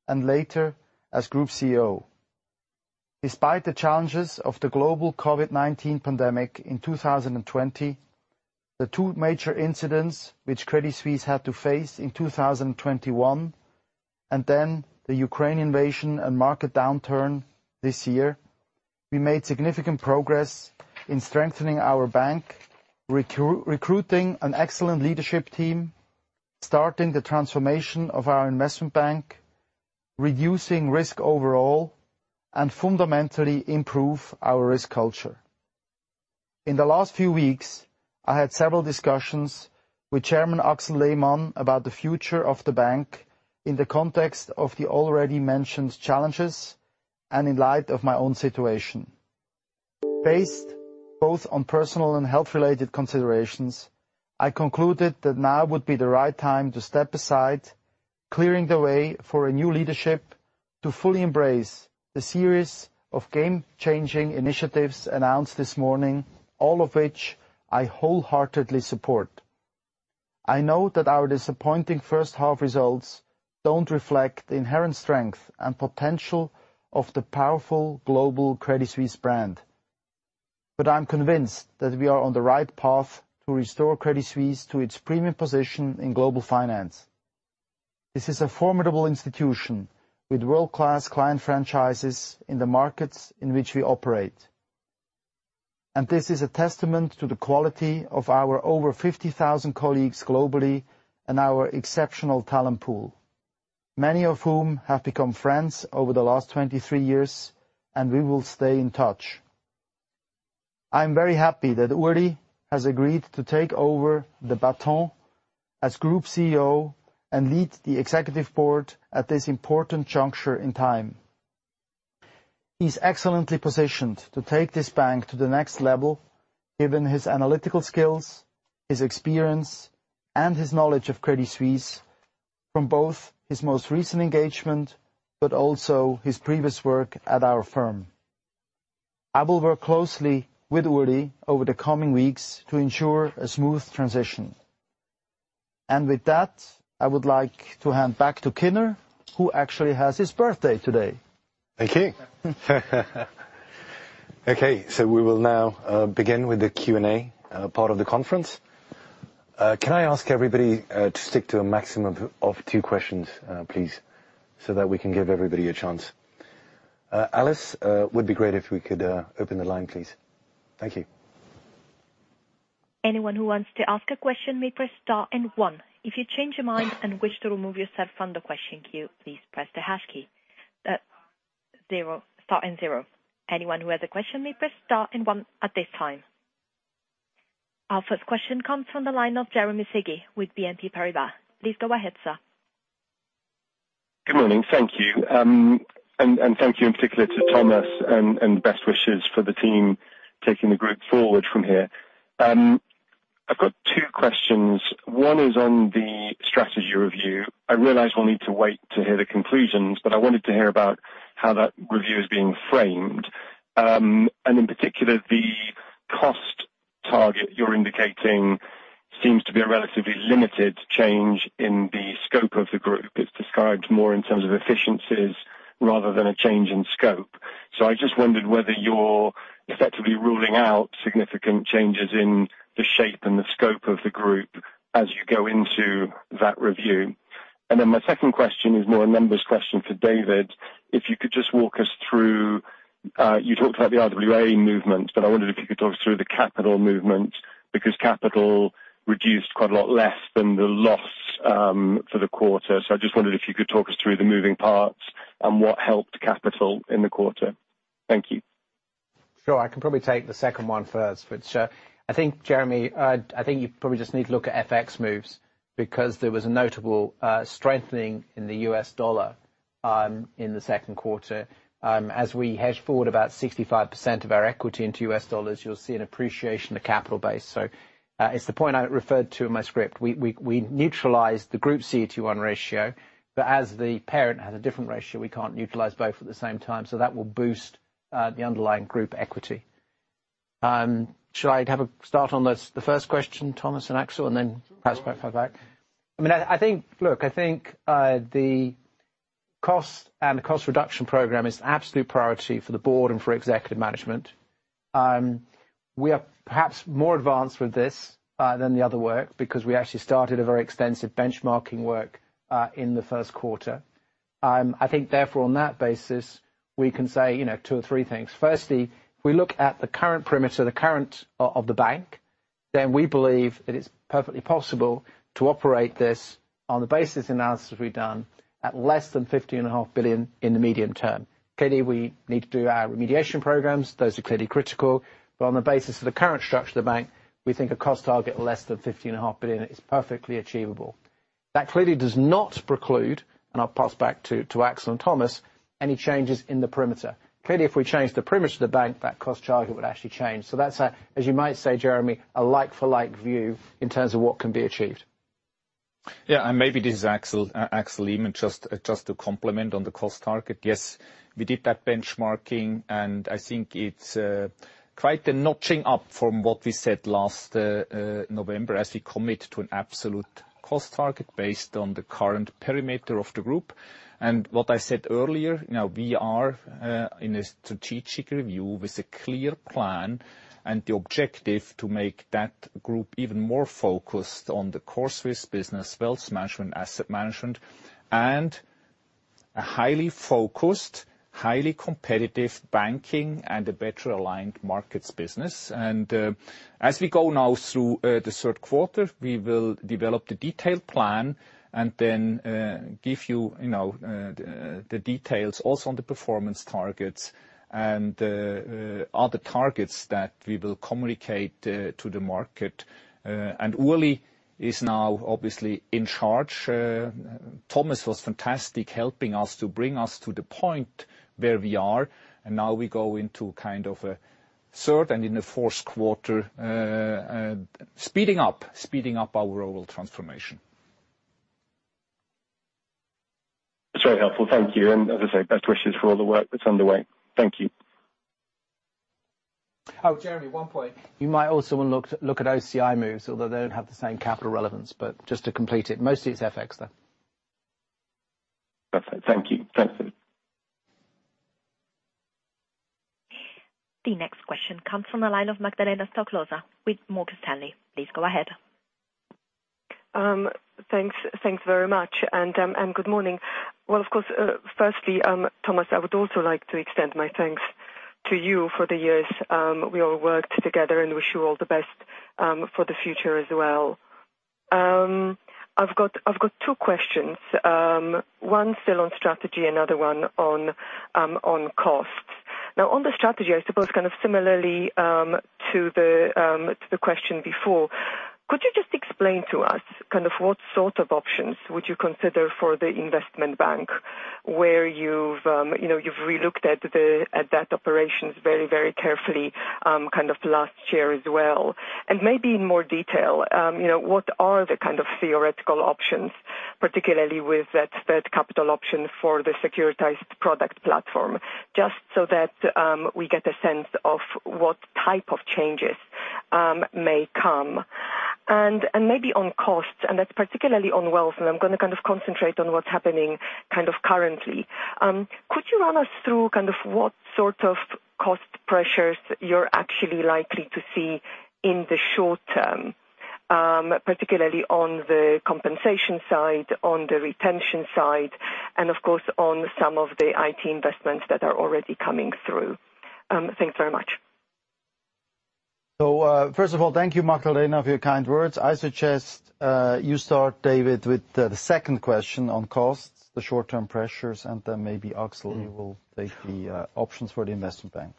and later as Group CEO. Despite the challenges of the global COVID-19 pandemic in 2020, the two major incidents which Credit Suisse had to face in 2021, and then the Ukraine invasion and market downturn this year, we made significant progress in strengthening our bank, recruiting an excellent leadership team, starting the transformation of our investment bank, reducing risk overall, and fundamentally improve our risk culture. In the last few weeks, I had several discussions with Chairman Axel Lehmann about the future of the bank in the context of the already mentioned challenges and in light of my own situation. Based both on personal and health-related considerations, I concluded that now would be the right time to step aside, clearing the way for a new leadership to fully embrace the series of game-changing initiatives announced this morning, all of which I wholeheartedly support. I know that our disappointing first half results don't reflect the inherent strength and potential of the powerful global Credit Suisse brand. I'm convinced that we are on the right path to restore Credit Suisse to its premium position in global finance. This is a formidable institution with world-class client franchises in the markets in which we operate. This is a testament to the quality of our over 50,000 colleagues globally and our exceptional talent pool, many of whom have become friends over the last 23 years, and we will stay in touch. I'm very happy that Ulrich Körner has agreed to take over the baton as Group CEO and lead the executive board at this important juncture in time. He's excellently positioned to take this bank to the next level, given his analytical skills, his experience, and his knowledge of Credit Suisse from both his most recent engagement, but also his previous work at our firm. I will work closely with Ulrich Körner over the coming weeks to ensure a smooth transition. With that, I would like to hand back to Kinner Lakhani, who actually has his birthday today. Thank you. Okay, we will now begin with the Q&A part of the conference. Can I ask everybody to stick to a maximum of two questions, please, so that we can give everybody a chance? Alice, would be great if we could open the line, please. Thank you. Anyone who wants to ask a question may press star and one. If you change your mind and wish to remove yourself from the question queue, please press star and zero. Anyone who has a question may press star and one at this time. Our first question comes from the line of Jeremy Sigee with BNP Paribas. Please go ahead, sir. Good morning. Thank you. Thank you in particular to Thomas and best wishes for the team taking the group forward from here. I've got two questions. One is on the strategy review. I realize we'll need to wait to hear the conclusions, but I wanted to hear about how that review is being framed. In particular, the cost target you're indicating seems to be a relatively limited change in the scope of the group. It's described more in terms of efficiencies rather than a change in scope. I just wondered whether you're effectively ruling out significant changes in the shape and the scope of the group as you go into that review. My second question is more a numbers question for David. If you could just walk us through. You talked about the RWA movement, but I wondered if you could talk us through the capital movement, because capital reduced quite a lot less than the loss for the quarter. I just wondered if you could talk us through the moving parts and what helped capital in the quarter. Thank you. Sure. I can probably take the second one first, which I think, Jeremy, I think you probably just need to look at FX moves because there was a notable strengthening in the US dollar in the second quarter. As we hedge forward about 65% of our equity into US dollars, you'll see an appreciation of capital base. It's the point I referred to in my script. We neutralized the Group CET1 ratio, but as the parent has a different ratio, we can't utilize both at the same time, so that will boost the underlying group equity. Should I start on the first question, Thomas and Axel, and then perhaps pop back? I mean, I think. Look, I think, the cost reduction program is the absolute priority for the board and for executive management. We are perhaps more advanced with this than the other work because we actually started a very extensive benchmarking work in the first quarter. I think therefore, on that basis, we can say, you know, two or three things. Firstly, if we look at the current perimeter of the bank, then we believe that it's perfectly possible to operate this on the basis of the analysis we've done at less than 50.5 billion in the medium term. Clearly, we need to do our remediation programs. Those are clearly critical. On the basis of the current structure of the bank, we think a cost target less than 50.5 billion is perfectly achievable. That clearly does not preclude, and I'll pass back to Axel and Thomas, any changes in the perimeter. Clearly, if we change the perimeter to the bank, that cost target would actually change. That's a, as you might say, Jeremy, a like-for-like view in terms of what can be achieved. Yeah, maybe this is Axel Lehmann, just to comment on the cost target. Yes, we did that benchmarking, and I think it's quite a notching up from what we said last November as we commit to an absolute cost target based on the current perimeter of the group. As we go now through the third quarter, we will develop the detailed plan and then give you know, the details also on the performance targets and other targets that we will communicate to the market. Ulrich is now obviously in charge. Thomas was fantastic helping us to bring us to the point where we are, and now we go into kind of a third and in a fourth quarter, speeding up our overall transformation. It's very helpful. Thank you. As I say, best wishes for all the work that's underway. Thank you. Oh, Jeremy, one point. You might also wanna look at OCI moves, although they don't have the same capital relevance, but just to complete it. Mostly it's FX, though. Perfect. Thank you. Thanks. The next question comes from the line of Magdalena Stoklosa with Morgan Stanley. Please go ahead. Thanks very much. Good morning. Well, of course, firstly, Thomas, I would also like to extend my thanks to you for the years we all worked together and wish you all the best for the future as well. I've got two questions. One still on strategy, another one on cost. Now, on the strategy, I suppose kind of similarly to the question before, could you just explain to us kind of what sort of options would you consider for the investment bank where you know you've relooked at that operations very very carefully kind of last year as well? Maybe in more detail, you know, what are the kind of theoretical options, particularly with that third capital option for the Securitized Products platform, just so that we get a sense of what type of changes may come. Maybe on costs, and that's particularly on wealth, and I'm gonna kind of concentrate on what's happening kind of currently. Could you run us through kind of what sort of cost pressures you're actually likely to see in the short term, particularly on the compensation side, on the retention side, and of course, on some of the IT investments that are already coming through? Thanks very much. First of all, thank you, Magdalena, for your kind words. I suggest you start, David, with the second question on costs, the short-term pressures, and then maybe Axel, you will take the options for the investment bank.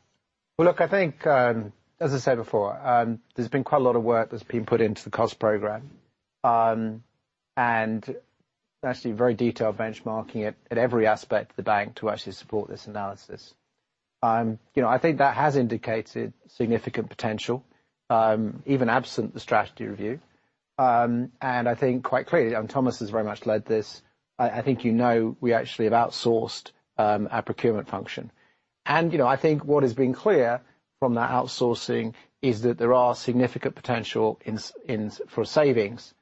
Well, look, I think, as I said before, there's been quite a lot of work that's been put into the cost program. Actually very detailed benchmarking at every aspect of the bank to actually support this analysis. You know, I think that has indicated significant potential, even absent the strategy review. I think quite clearly, and Thomas has very much led this. I think you know we actually have outsourced our procurement function. You know, I think what has been clear from that outsourcing is that there are significant potential for savings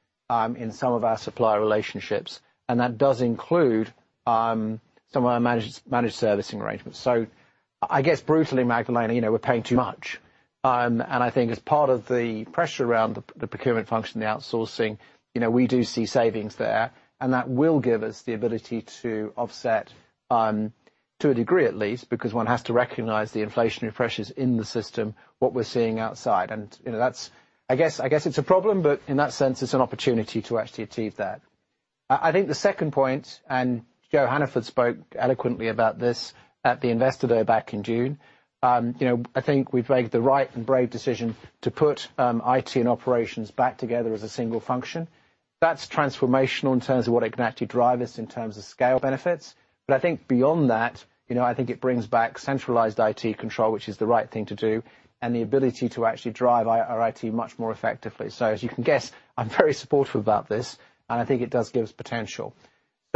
in some of our supplier relationships, and that does include some of our managed servicing arrangements. I guess brutally, Magdalena, you know, we're paying too much. I think as part of the pressure around the procurement function, the outsourcing, you know, we do see savings there, and that will give us the ability to offset, to a degree at least, because one has to recognize the inflationary pressures in the system, what we're seeing outside. You know, that's, I guess, a problem, but in that sense it's an opportunity to actually achieve that. I think the second point, and Joanne Hannaford spoke eloquently about this at the Investor Day back in June, you know, I think we've made the right and brave decision to put IT and operations back together as a single function. That's transformational in terms of what it can actually drive us in terms of scale benefits. I think beyond that, you know, I think it brings back centralized IT control, which is the right thing to do, and the ability to actually drive our IT much more effectively. So as you can guess, I'm very supportive about this, and I think it does give us potential.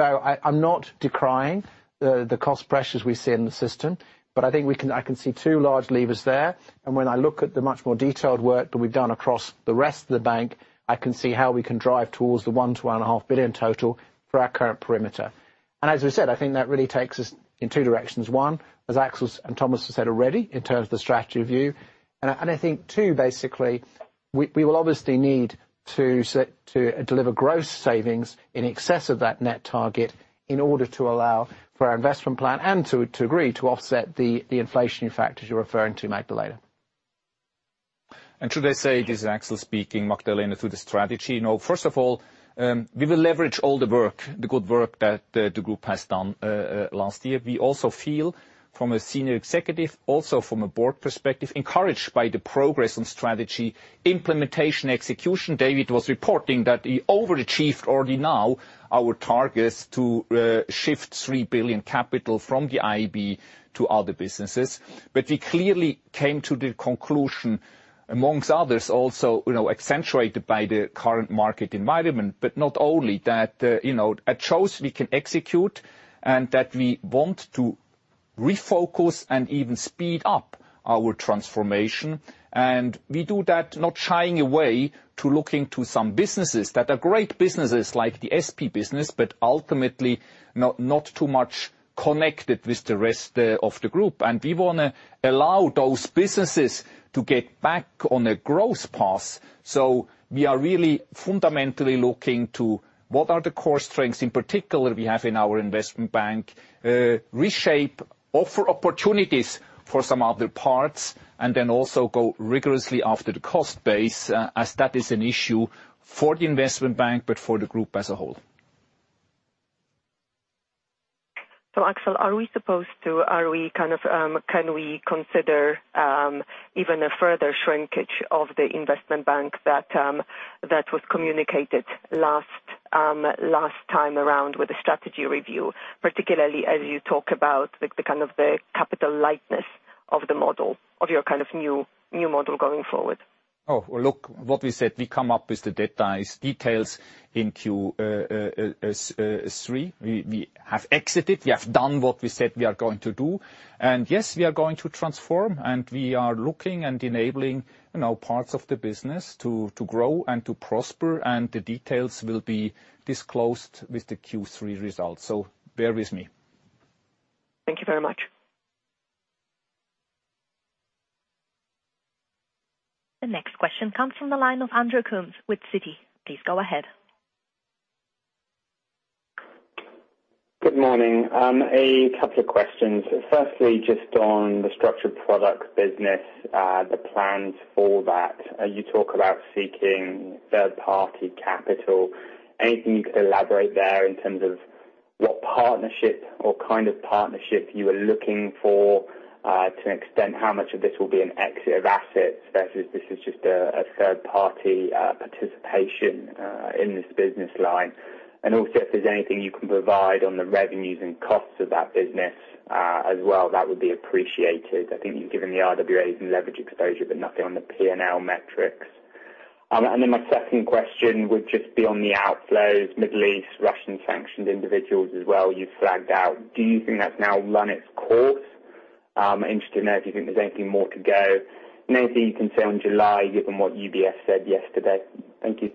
So I'm not decrying the cost pressures we see in the system, but I think we can, I can see two large levers there, and when I look at the much more detailed work that we've done across the rest of the bank, I can see how we can drive towards the 1 billion-1.5 billion total for our current perimeter. As we said, I think that really takes us in two directions. One, as Axel and Thomas have said already, in terms of the strategy review. I think too, basically, we will obviously need to deliver growth savings in excess of that net target in order to allow for our investment plan, and to a degree, to offset the inflationary factors you're referring to, Magdalena. Should I say, this is Axel speaking, Magdalena, to the strategy. No, first of all, we will leverage all the work, the good work that the group has done last year. We also feel from a senior executive, also from a board perspective, encouraged by the progress on strategy implementation, execution. David was reporting that he overachieved already now our targets to shift 3 billion capital from the IB to other businesses. He clearly came to the conclusion, among others also, you know, accentuated by the current market environment, but not only that, you know, at CS we can execute, and that we want to refocus and even speed up our transformation. We do that not shying away to looking to some businesses that are great businesses like the SP business, but ultimately not too much connected with the rest of the group. We wanna allow those businesses to get back on a growth path. We are really fundamentally looking to what are the core strengths in particular we have in our investment bank, reshape, offer opportunities for some other parts, and then also go rigorously after the cost base, as that is an issue for the investment bank, but for the group as a whole. Axel, are we kind of, can we consider even a further shrinkage of the investment bank that was communicated last time around with the strategy review, particularly as you talk about the kind of the capital lightness of the model, of your kind of new model going forward? Oh, look, what we said, we come up with the details in Q3. We have exited. We have done what we said we are going to do. Yes, we are going to transform, and we are looking and enabling, you know, parts of the business to grow and to prosper, and the details will be disclosed with the Q3 results, so bear with me. Thank you very much. The next question comes from the line of Andrew Coombs with Citi. Please go ahead. Good morning. A couple of questions. Firstly, just on the structured product business, the plans for that. You talk about seeking third-party capital. Anything you could elaborate there in terms of what partnership or kind of partnership you are looking for, to an extent how much of this will be an exit of assets versus this is just a third-party participation in this business line? And also if there's anything you can provide on the revenues and costs of that business, as well, that would be appreciated. I think you've given the RWAs and leverage exposure, but nothing on the P&L metrics. And then my second question would just be on the outflows, Middle East, Russian sanctioned individuals as well, you flagged out. Do you think that's now run its course? Interested to know if you think there's anything more to go, and anything you can say on July, given what UBS said yesterday. Thank you.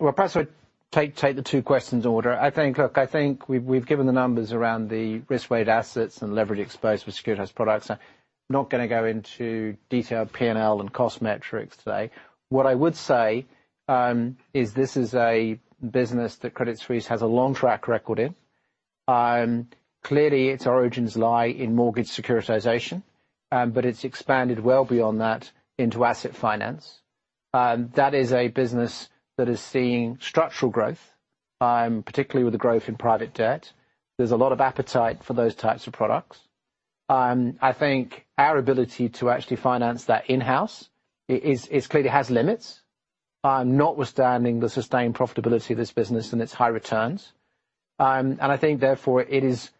Well, perhaps I take the two questions in order. I think, look, I think we've given the numbers around the risk-weighted assets and leverage exposed with Securitized Products. I'm not gonna go into detailed P&L and cost metrics today. What I would say is this is a business that Credit Suisse has a long track record in. Clearly its origins lie in mortgage securitization, but it's expanded well beyond that into asset finance. That is a business that is seeing structural growth, particularly with the growth in private debt. There's a lot of appetite for those types of products. I think our ability to actually finance that in-house is clearly has limits, notwithstanding the sustained profitability of this business and its high returns. I think therefore it is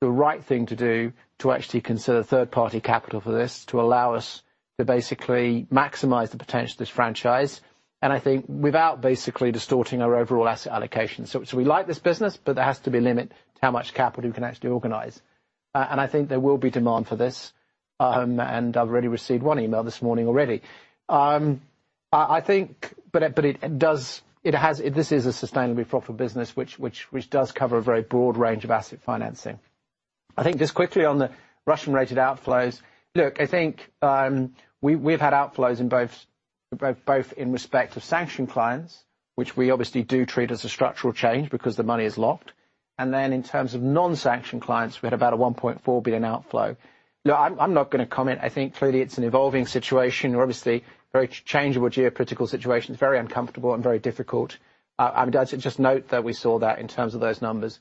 the right thing to do to actually consider third party capital for this to allow us to basically maximize the potential of this franchise. I think without basically distorting our overall asset allocation. We like this business, but there has to be a limit to how much capital we can actually organize. I think there will be demand for this, and I've already received one email this morning already. I think this is a sustainably profitable business which does cover a very broad range of asset financing. I think just quickly on the Russian-related outflows. Look, I think we've had outflows in both in respect of sanctioned clients, which we obviously do treat as a structural change because the money is locked. In terms of non-sanction clients, we had about a 1.4 billion outflow. Look, I'm not gonna comment. I think clearly it's an evolving situation or obviously very changeable geopolitical situation. It's very uncomfortable and very difficult. I mean, just note that we saw that in terms of those numbers.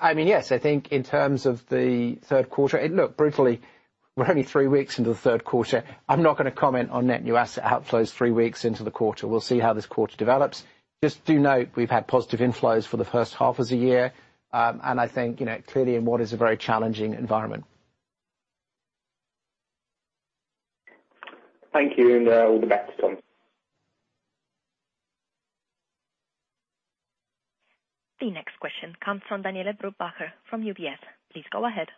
I mean, yes, I think in terms of the third quarter. Look, brutally, we're only three weeks into the third quarter. I'm not gonna comment on net new asset outflows three weeks into the quarter. We'll see how this quarter develops. Just do note we've had positive inflows for the first half of the year, and I think, you know, clearly in what is a very challenging environment. Thank you, and, all the best, Tom. The next question comes from Daniele Brupbacher from UBS. Please go ahead.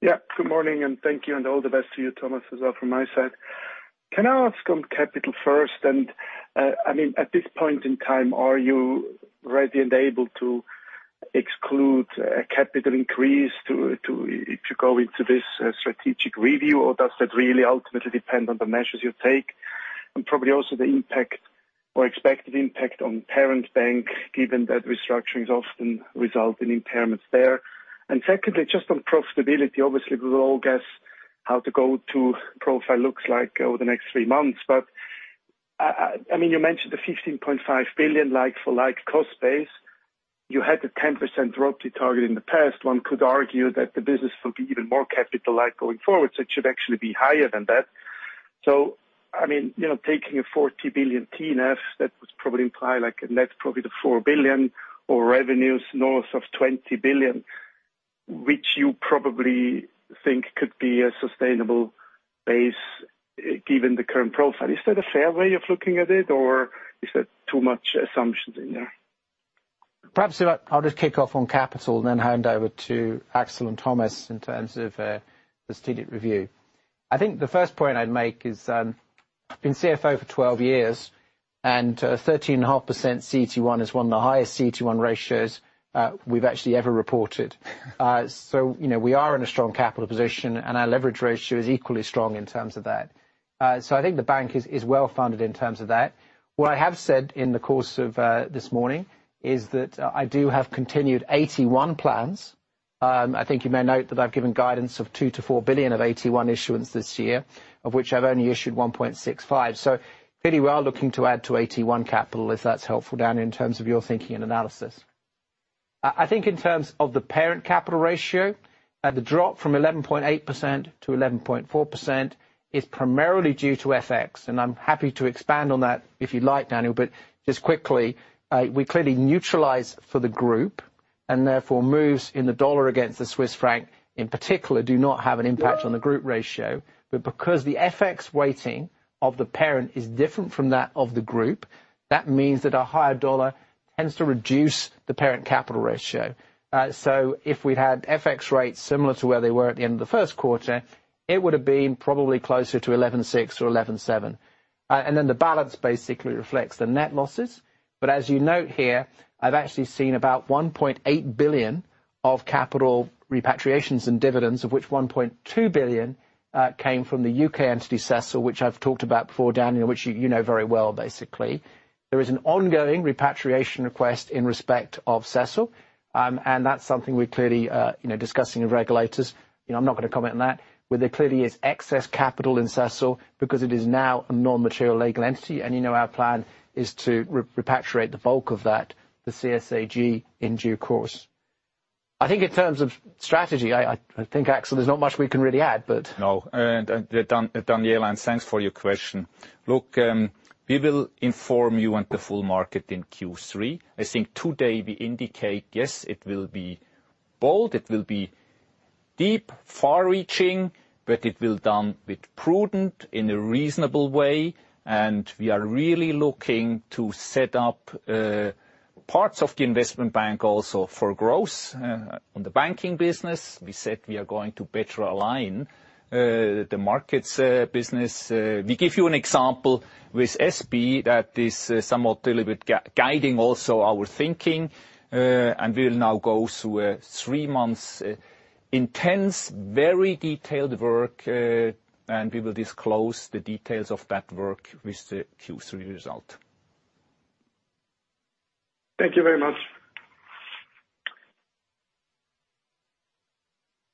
Yeah. Good morning, and thank you and all the best to you, Thomas, as well from my side. Can I ask on capital first? I mean, at this point in time, are you ready and able to exclude a capital increase to if you go into this strategic review? Or does that really ultimately depend on the measures you take? Probably also the impact or expected impact on parent bank, given that restructurings often result in impairments there. Secondly, just on profitability, obviously, we will all guess how the go-forward profile looks like over the next three months. I mean, you mentioned the 15.5 billion like for like cost base. You had the 10% drop you targeted in the past. One could argue that the business will be even more capital-like going forward, so it should actually be higher than that. I mean, you know, taking a 40 billion TNE, that would probably imply like a net profit of 4 billion or revenues north of 20 billion, which you probably think could be a sustainable base given the current profile. Is that a fair way of looking at it, or is there too much assumptions in there? Perhaps if I'll just kick off on capital and then hand over to Axel and Thomas in terms of the strategic review. I think the first point I'd make is been CFO for 12 years and 13.5% CET1 is one of the highest CET1 ratios we've actually ever reported. You know, we are in a strong capital position, and our leverage ratio is equally strong in terms of that. I think the bank is well-funded in terms of that. What I have said in the course of this morning is that I do have continued AT1 plans. I think you may note that I've given guidance of 2 billion-4 billion of AT1 issuance this year, of which I've only issued 1.65 billion. Clearly we are looking to add to AT1 capital, if that's helpful, Daniele, in terms of your thinking and analysis. I think in terms of the parent capital ratio, the drop from 11.8% to 11.4% is primarily due to FX, and I'm happy to expand on that if you like, Daniele. Just quickly, we clearly neutralize for the group, and therefore moves in the US dollar against the Swiss franc in particular do not have an impact on the group ratio. Because the FX weighting of the parent is different from that of the group, that means that a higher US dollar tends to reduce the parent capital ratio. If we'd had FX rates similar to where they were at the end of the first quarter, it would have been probably closer to 11.6% or 11.7%. The balance basically reflects the net losses. As you note here, I've actually seen about 1.8 billion of capital repatriations and dividends, of which 1.2 billion came from the UK entity, CSSEL, which I've talked about before, Daniele, which you know very well, basically. There is an ongoing repatriation request in respect of CSSEL, and that's something we're clearly discussing with regulators. You know, I'm not gonna comment on that. Where there clearly is excess capital in CSSEL because it is now a non-material legal entity. You know our plan is to repatriate the bulk of that to CSAG in due course. I think in terms of strategy, Axel, there's not much we can really add, but No. Daniele, thanks for your question. Look, we will inform you and the full market in Q3. I think today we indicate, yes, it will be bold, it will be deep, far-reaching, but it will be done with prudence in a reasonable way. We are really looking to set up parts of the investment bank also for growth on the banking business. We said we are going to better align the markets business. We give you an example with SP that is somewhat a little bit guiding also our thinking, and we'll now go through a three-month intense, very detailed work, and we will disclose the details of that work with the Q3 result. Thank you very much.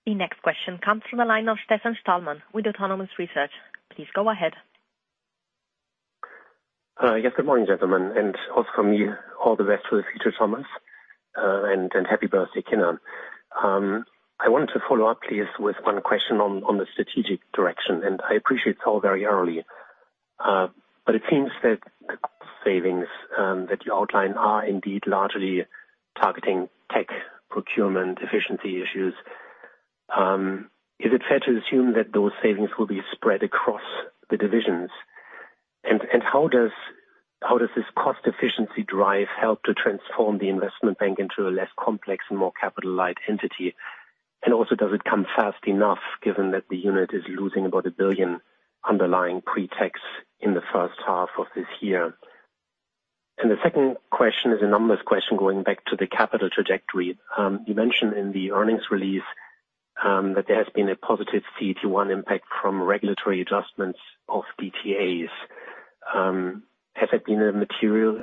The next question comes from the line of Stefan Stalmann with Autonomous Research. Please go ahead. Yes, good morning, gentlemen, and also from me, all the best for the future, Thomas, and happy birthday, Kinner. I wanted to follow up, please, with one question on the strategic direction, and I appreciate it's all very early. It seems that the cost savings that you outline are indeed largely targeting tech procurement efficiency issues. Is it fair to assume that those savings will be spread across the divisions? How does this cost efficiency drive help to transform the investment bank into a less complex and more capital light entity? Also, does it come fast enough given that the unit is losing about 1 billion underlying pre-tax in the first half of this year? The second question is a numbers question going back to the capital trajectory. You mentioned in the earnings release that there has been a positive CET1 impact from regulatory adjustments of DTAs. Has it been a material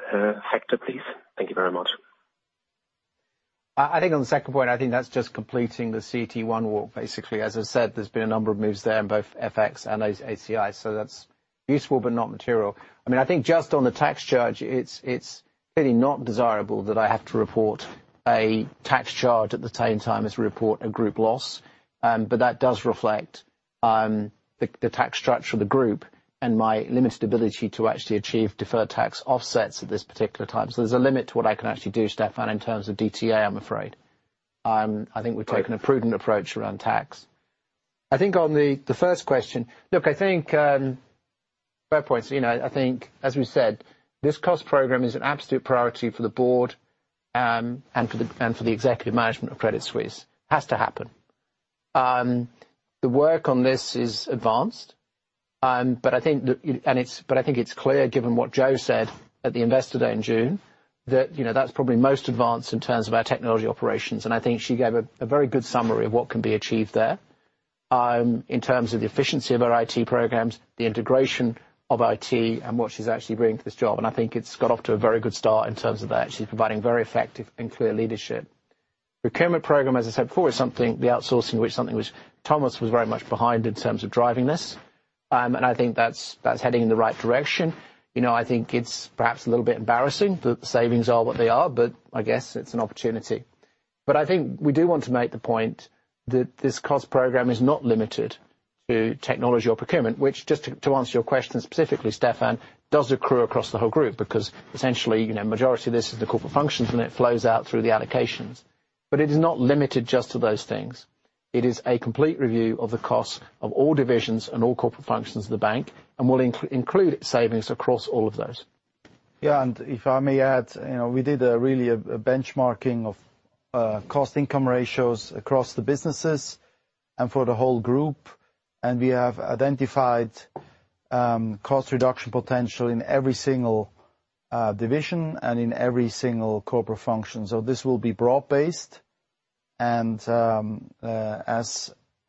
factor, please? Thank you very much. I think on the second point, I think that's just completing the CET1 walk, basically. As I said, there's been a number of moves there in both FX and AOCI, so that's useful but not material. I mean, I think just on the tax charge, it's really not desirable that I have to report a tax charge at the same time as reporting a group loss. That does reflect the tax structure of the group and my limited ability to actually achieve deferred tax offsets at this particular time. So there's a limit to what I can actually do, Stefan, in terms of DTA, I'm afraid. I think we've taken a prudent approach around tax. I think on the first question. Look, I think fair points. You know, I think, as we said, this cost program is an absolute priority for the board, and for the executive management of Credit Suisse. It has to happen. The work on this is advanced, but I think it's clear given what Joanne said at the Investor Day in June, that, you know, that's probably most advanced in terms of our technology operations. I think she gave a very good summary of what can be achieved there, in terms of the efficiency of our IT programs, the integration of IT, and what she's actually bringing to this job. I think it's got off to a very good start in terms of that. She's providing very effective and clear leadership. Procurement program, as I said before, is something, the outsourcing, which Thomas was very much behind in terms of driving this. I think that's heading in the right direction. You know, I think it's perhaps a little bit embarrassing that the savings are what they are, but I guess it's an opportunity. I think we do want to make the point that this cost program is not limited to technology or procurement, which just to answer your question specifically, Stefan, does accrue across the whole group. Because essentially, you know, majority of this is the corporate functions, and it flows out through the allocations. It is not limited just to those things. It is a complete review of the costs of all divisions and all corporate functions of the bank and will include savings across all of those. Yeah. If I may add, you know, we did a benchmarking of cost-income ratios across the businesses and for the whole group, and we have identified cost reduction potential in every single division and in every single corporate function. This will be broad-based.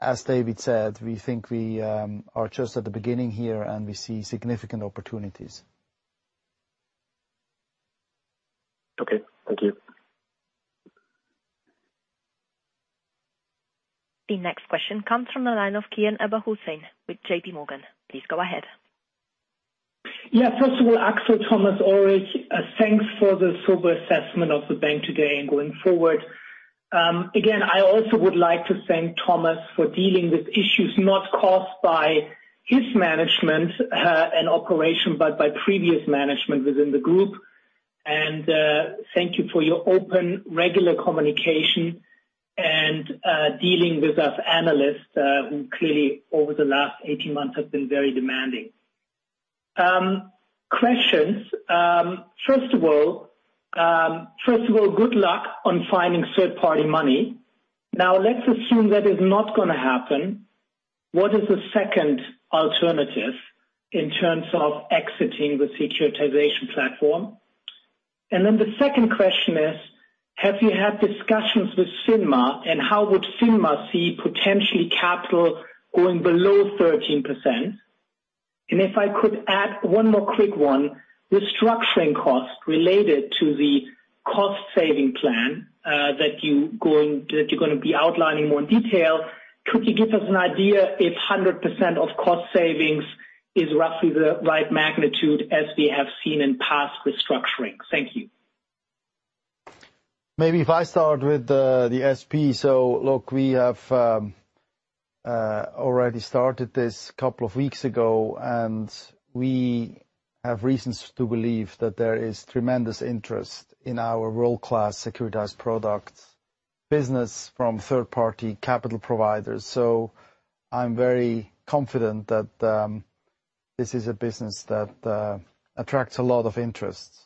As David said, we think we are just at the beginning here, and we see significant opportunities. Okay, thank you. The next question comes from the line of Kian Abouhossein with JPMorgan. Please go ahead. Yeah. First of all, Axel, Thomas, Ulrich, thanks for the sober assessment of the bank today and going forward. Again, I also would like to thank Thomas for dealing with issues not caused by his management and operation, but by previous management within the group. Thank you for your open, regular communication and dealing with us analysts, who clearly over the last 18 months have been very demanding. First of all, good luck on finding third-party money. Now, let's assume that is not gonna happen. What is the second alternative in terms of exiting the securitization platform? Then the second question is, have you had discussions with FINMA, and how would FINMA see potentially capital going below 13%? If I could add one more quick one, the structuring cost related to the cost-saving plan that you're gonna be outlining more in detail, could you give us an idea if 100% of cost savings is roughly the right magnitude as we have seen in past restructuring? Thank you. Maybe if I start with the SP. Look, we have already started this a couple of weeks ago, and we have reasons to believe that there is tremendous interest in our world-class securitized product business from third-party capital providers. I'm very confident that this is a business that attracts a lot of interest.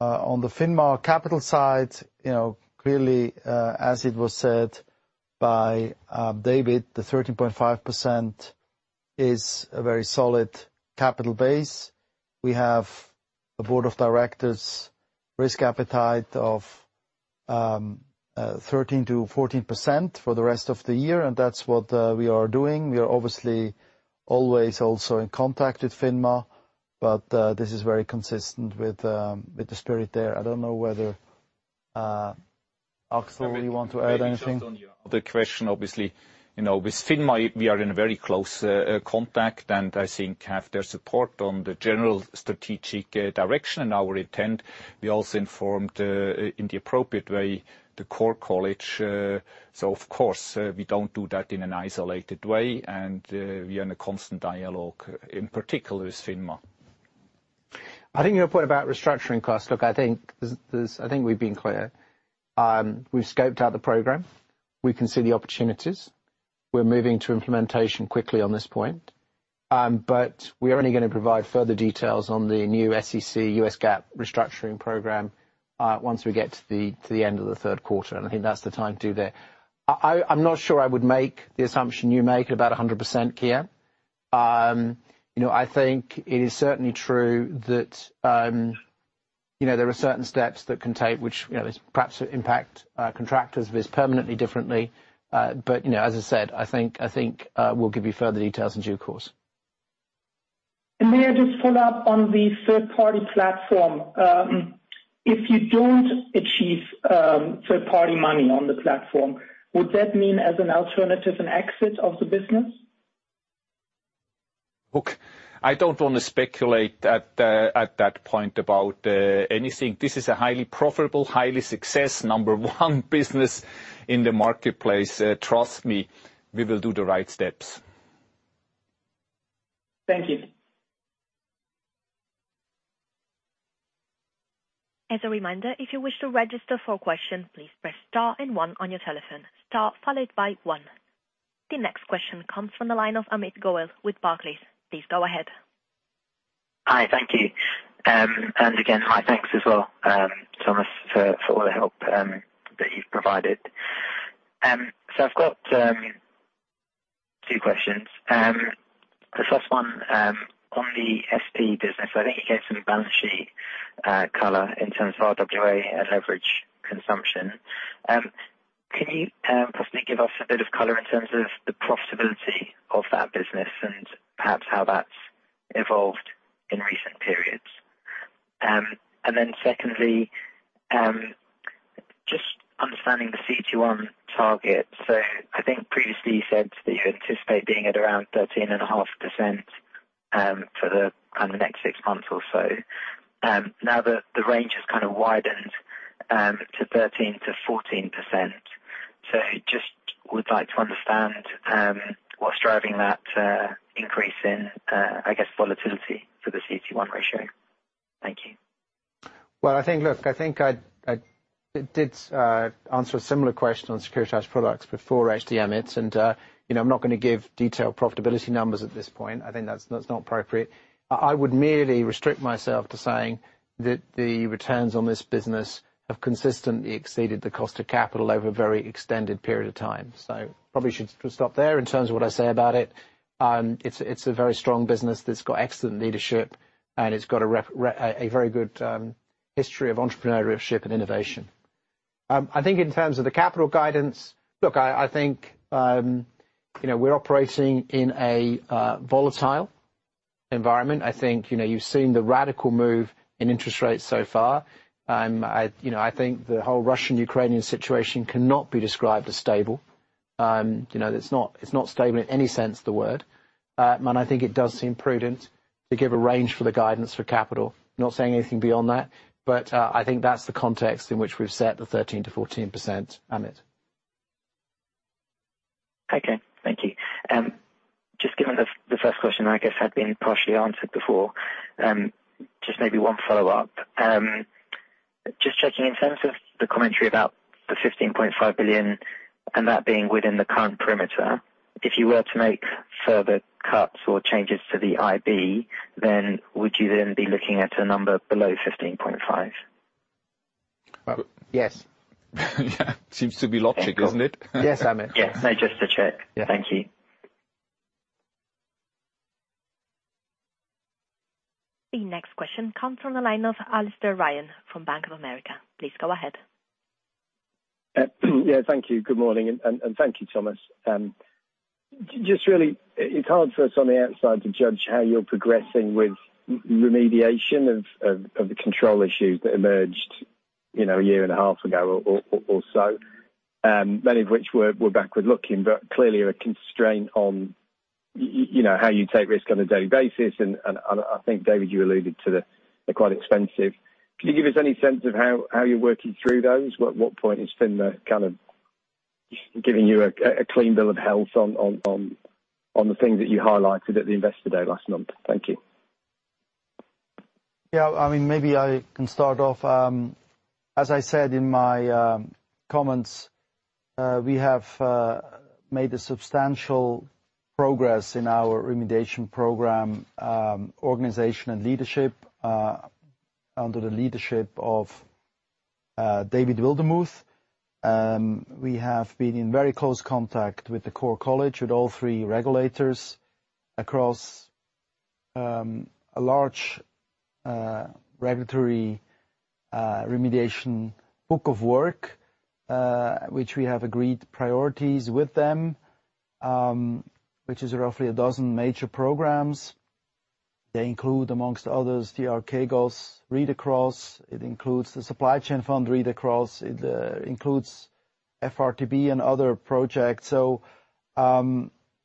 On the FINMA capital side, you know, clearly, as it was said by David, the 13.5% is a very solid capital base. We have a board of directors risk appetite of 13%-14% for the rest of the year, and that's what we are doing. We are obviously always also in contact with FINMA, but this is very consistent with the spirit there. I don't know whether Axel, you want to add anything? The question, obviously, you know, with FINMA, we are in very close contact, and I think have their support on the general strategic direction and our intent. We also informed in the appropriate way, the College of Supervisors. Of course, we don't do that in an isolated way and we are in a constant dialogue, in particular with FINMA. I think your point about restructuring costs. Look, I think we've been clear. We've scoped out the program. We can see the opportunities. We're moving to implementation quickly on this point. We are only gonna provide further details on the new SEC US GAAP restructuring program once we get to the end of the third quarter, and I think that's the time to do that. I'm not sure I would make the assumption you make about 100%, Kian. You know, I think it is certainly true that you know, there are certain steps that we can take which you know, perhaps impact contractors and permanent employees differently. You know, as I said, I think we'll give you further details in due course. May I just follow up on the third-party platform. If you don't achieve third-party money on the platform, would that mean as an alternative, an exit of the business? Look, I don't wanna speculate at that point about anything. This is a highly profitable, highly successful, number one business in the marketplace. Trust me, we will do the right steps. Thank you. As a reminder, if you wish to register for a question, please press star and one on your telephone. Star followed by one. The next question comes from the line of Amit Goel with Barclays. Please go ahead. Hi. Thank you. Again, hi, thanks as well, Thomas, for all the help that you've provided. I've got two questions. The first one, on the SP business, I think you gave some balance sheet color in terms of RWA and leverage consumption. Can you possibly give us a bit of color in terms of the profitability of that business and perhaps how that's evolved in recent periods? Then secondly, just understanding the CET1 target. I think previously you said that you anticipate being at around 13.5%, for the kind of next six months or so. Now the range has kinda widened to 13%-14%. Just would like to understand what's driving that increase in, I guess, volatility for the CET1 ratio. Thank you. Well, I think, Look, I think I did answer a similar question on securitized products before HDM. It's into, you know, I'm not gonna give detailed profitability numbers at this point. I think that's not appropriate. I would merely restrict myself to saying that the returns on this business have consistently exceeded the cost of capital over a very extended period of time. So probably should stop there in terms of what I say about it. It's a very strong business that's got excellent leadership, and it's got a rep a very good history of entrepreneurship and innovation. I think in terms of the capital guidance, look, I think, you know, we're operating in a volatile environment. I think, you know, you've seen the radical move in interest rates so far. I think the whole Russian-Ukrainian situation cannot be described as stable. You know, it's not stable in any sense of the word. I think it does seem prudent to give a range for the guidance for capital. Not saying anything beyond that, I think that's the context in which we've set the 13%-14%, Amit. Okay. Thank you. Just given the first question, I guess, had been partially answered before, just maybe one follow-up. Just checking in terms of the commentary about the 15.5 billion and that being within the current perimeter. If you were to make further cuts or changes to the IB, then would you then be looking at a number below 15.5 billion? Yes. Yeah. Seems to be logical, isn't it? Yes, Amit. Yes. No, just to check. Yeah. Thank you. The next question comes from the line of Alastair Ryan from Bank of America. Please go ahead. Yeah, thank you. Good morning, and thank you, Thomas. Just really, it's hard for us on the outside to judge how you're progressing with remediation of the control issues that emerged, you know, a year and a half ago or so. Many of which were backward-looking, but clearly are a constraint on you know, how you take risks on a daily basis. I think, David, you alluded to that they're quite expensive. Can you give us any sense of how you're working through those? At what point is FINMA kind of giving you a clean bill of health on the things that you highlighted at the Investor Day last month? Thank you. Yeah. I mean, maybe I can start off. As I said in my comments, we have made substantial progress in our remediation program, organization and leadership under the leadership of David Wildermuth. We have been in very close contact with the College of Regulators with all three regulators across a large regulatory remediation book of work, which we have agreed priorities with them, which is roughly a dozen major programs. They include, among others, the RWA goals read-across. It includes the supply chain fund read-across. It includes FRTB and other projects.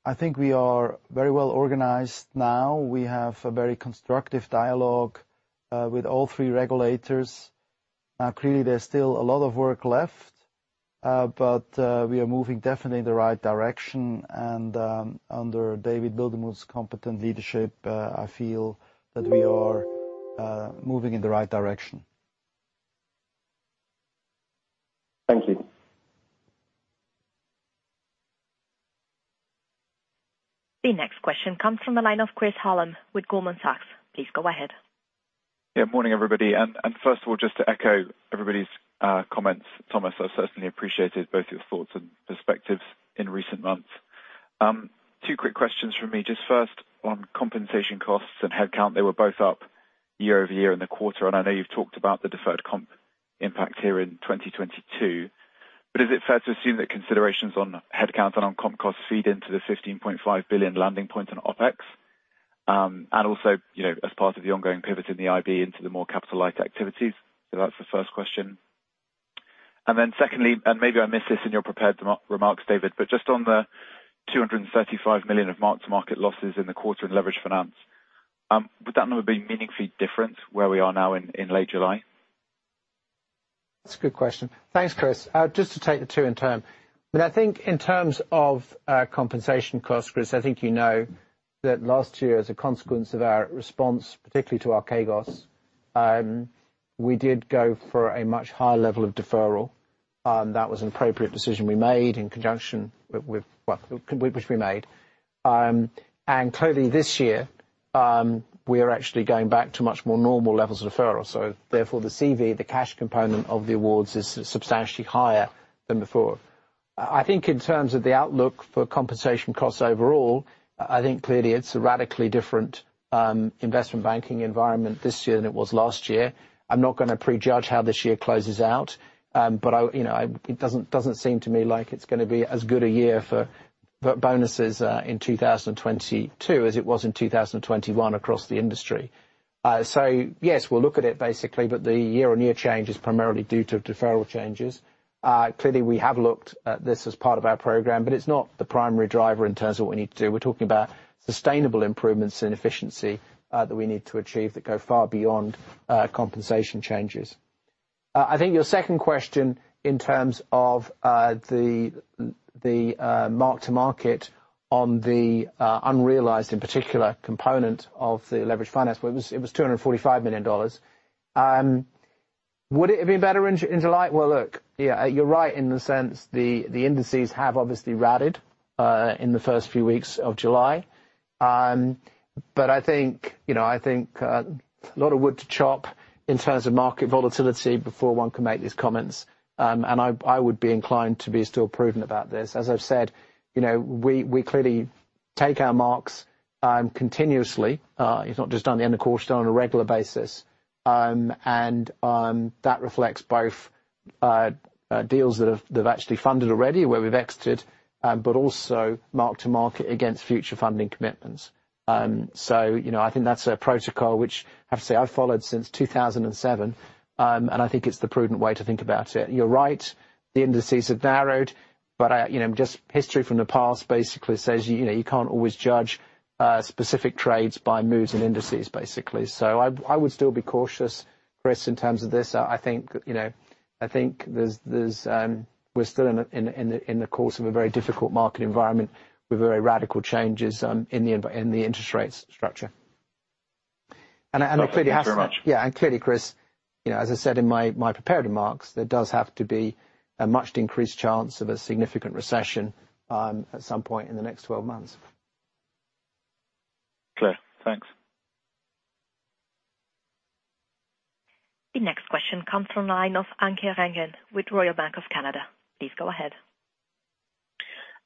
I think we are very well organized now. We have a very constructive dialogue with all three regulators. Clearly there's still a lot of work left, but we are moving definitely in the right direction. Under David Wildermuth's competent leadership, I feel that we are moving in the right direction. Thank you. The next question comes from the line of Chris Hallam with Goldman Sachs. Please go ahead. Yeah. Morning, everybody. First of all, just to echo everybody's comments, Thomas, I certainly appreciated both your thoughts and perspectives in recent months. Two quick questions from me. Just first on compensation costs and headcount, they were both up year-over-year in the quarter, and I know you've talked about the deferred comp impact here in 2022. Is it fair to assume that considerations on headcount and on comp costs feed into the 15.5 billion landing point on OpEx? Also, you know, as part of the ongoing pivot in the IB into the more capital-light activities? That's the first question. Secondly, and maybe I missed this in your prepared remarks, David, but just on the 235 million of mark-to-market losses in the quarter in leveraged finance, would that number be meaningfully different where we are now in late July? That's a good question. Thanks, Chris. Just to take the two in turn. I mean, I think in terms of compensation costs, Chris, I think you know that last year as a consequence of our response, particularly to Archegos, we did go for a much higher level of deferral. That was an appropriate decision we made. Clearly this year, we are actually going back to much more normal levels of deferral. Therefore, the cash component of the awards is substantially higher than before. I think in terms of the outlook for compensation costs overall, I think clearly it's a radically different investment banking environment this year than it was last year. I'm not gonna prejudge how this year closes out, but you know, it doesn't seem to me like it's gonna be as good a year for bonuses in 2022 as it was in 2021 across the industry. Yes, we'll look at it basically, but the year-on-year change is primarily due to deferral changes. Clearly, we have looked at this as part of our program, but it's not the primary driver in terms of what we need to do. We're talking about sustainable improvements in efficiency that we need to achieve that go far beyond compensation changes. I think your second question in terms of the mark-to-market on the unrealized in particular component of the leveraged finance, well, it was $245 million. Would it have been better in July? Well, look, yeah, you're right in the sense the indices have obviously routed in the first few weeks of July. I think, you know, a lot of wood to chop in terms of market volatility before one can make these comments. I would be inclined to be still prudent about this. As I've said, you know, we clearly take our marks continuously. It's not just at the end of the quarter, it's on a regular basis. That reflects both deals that have actually funded already where we've exited, but also mark-to-market against future funding commitments. So, you know, I think that's a protocol which I have to say I've followed since 2007, and I think it's the prudent way to think about it. You're right, the indices have narrowed, but you know, just history from the past basically says, you know, you can't always judge specific trades by moves in indices, basically. I would still be cautious, Chris, in terms of this. I think, you know, I think we're still in a course of a very difficult market environment with very radical changes in the interest rate structure. Clearly it has to- Okay. Thank you very much. Yeah. Clearly, Chris, you know, as I said in my prepared remarks, there does have to be a much increased chance of a significant recession at some point in the next 12 months. Clear. Thanks. The next question comes from the line of Anke Reingen with Royal Bank of Canada. Please go ahead.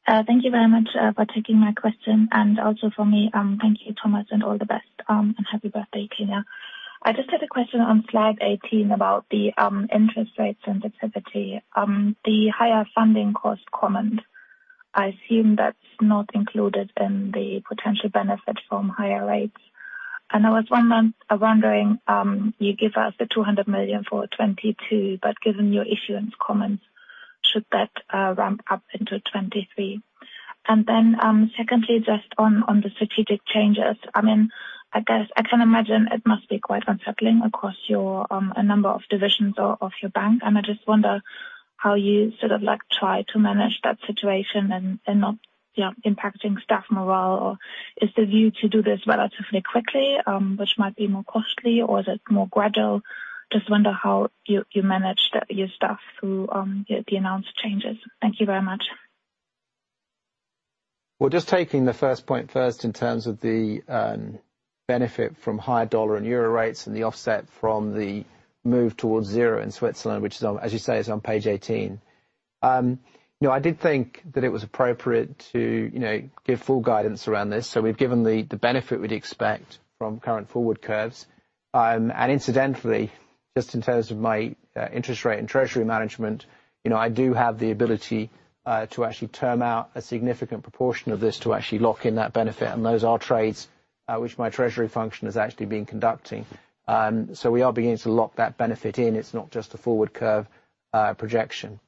Thank you very much for taking my question. Also for me, thank you, Thomas, and all the best, and happy birthday, Kinner. I just had a question on slide 18 about the interest rates and activity. The higher funding cost comment, I assume that's not included in the potential benefit from higher rates. I was wondering, you give us 200 million for 2022, but given your issuance comments, should that ramp up into 2023? Secondly, just on the strategic changes. I mean, I guess I can imagine it must be quite unsettling across your a number of divisions of your bank. I just wonder how you sort of like try to manage that situation and not, yeah, impacting staff morale. Is the view to do this relatively quickly, which might be more costly, or is it more gradual? Just wonder how you manage your staff through the announced changes. Thank you very much. Well, just taking the first point first in terms of the benefit from higher dollar and euro rates and the offset from the move towards zero in Switzerland, which is on, as you say, page 18. You know, I did think that it was appropriate to give full guidance around this. We've given the benefit we'd expect from current forward curves. Incidentally, just in terms of my interest rate and treasury management, you know, I do have the ability to actually term out a significant proportion of this to actually lock in that benefit. Those are trades which my treasury function has actually been conducting. We are beginning to lock that benefit in. It's not just a forward curve projection.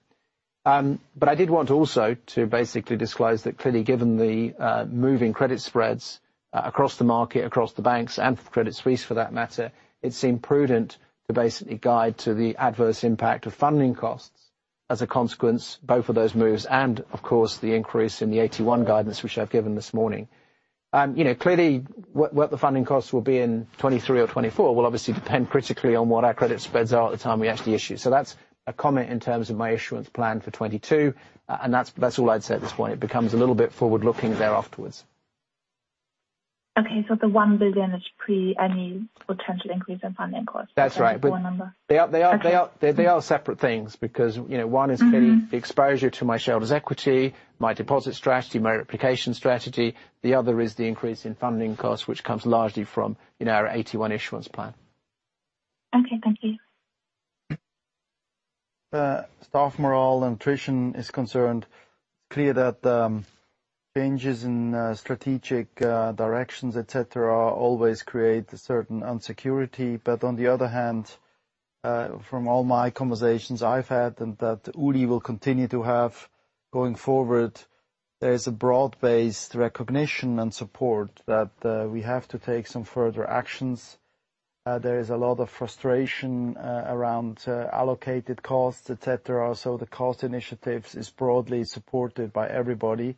I did want also to basically disclose that clearly, given the moving credit spreads across the market, across the banks and Credit Suisse for that matter, it seemed prudent to basically guide to the adverse impact of funding costs as a consequence, both of those moves and of course, the increase in the AT1 guidance which I've given this morning. You know, clearly what the funding costs will be in 2023 or 2024 will obviously depend critically on what our credit spreads are at the time we actually issue. That's a comment in terms of my issuance plan for 2022, and that's all I'd say at this point. It becomes a little bit forward-looking there afterwards. Okay, the 1 billion is pre any potential increase in funding costs. That's right. Core number. They are. Okay. They are separate things because, you know, one is clearly. Mm-hmm. the exposure to my shareholders' equity, my deposit strategy, my replication strategy. The other is the increase in funding costs, which comes largely from, you know, our AT1 issuance plan. Okay. Thank you. As far as staff morale and attrition is concerned, it's clear that changes in strategic directions, et cetera, always create a certain insecurity. On the other hand, from all my conversations I've had and that Ulrich will continue to have going forward, there is a broad-based recognition and support that we have to take some further actions. There is a lot of frustration around allocated costs, et cetera. The cost initiatives is broadly supported by everybody.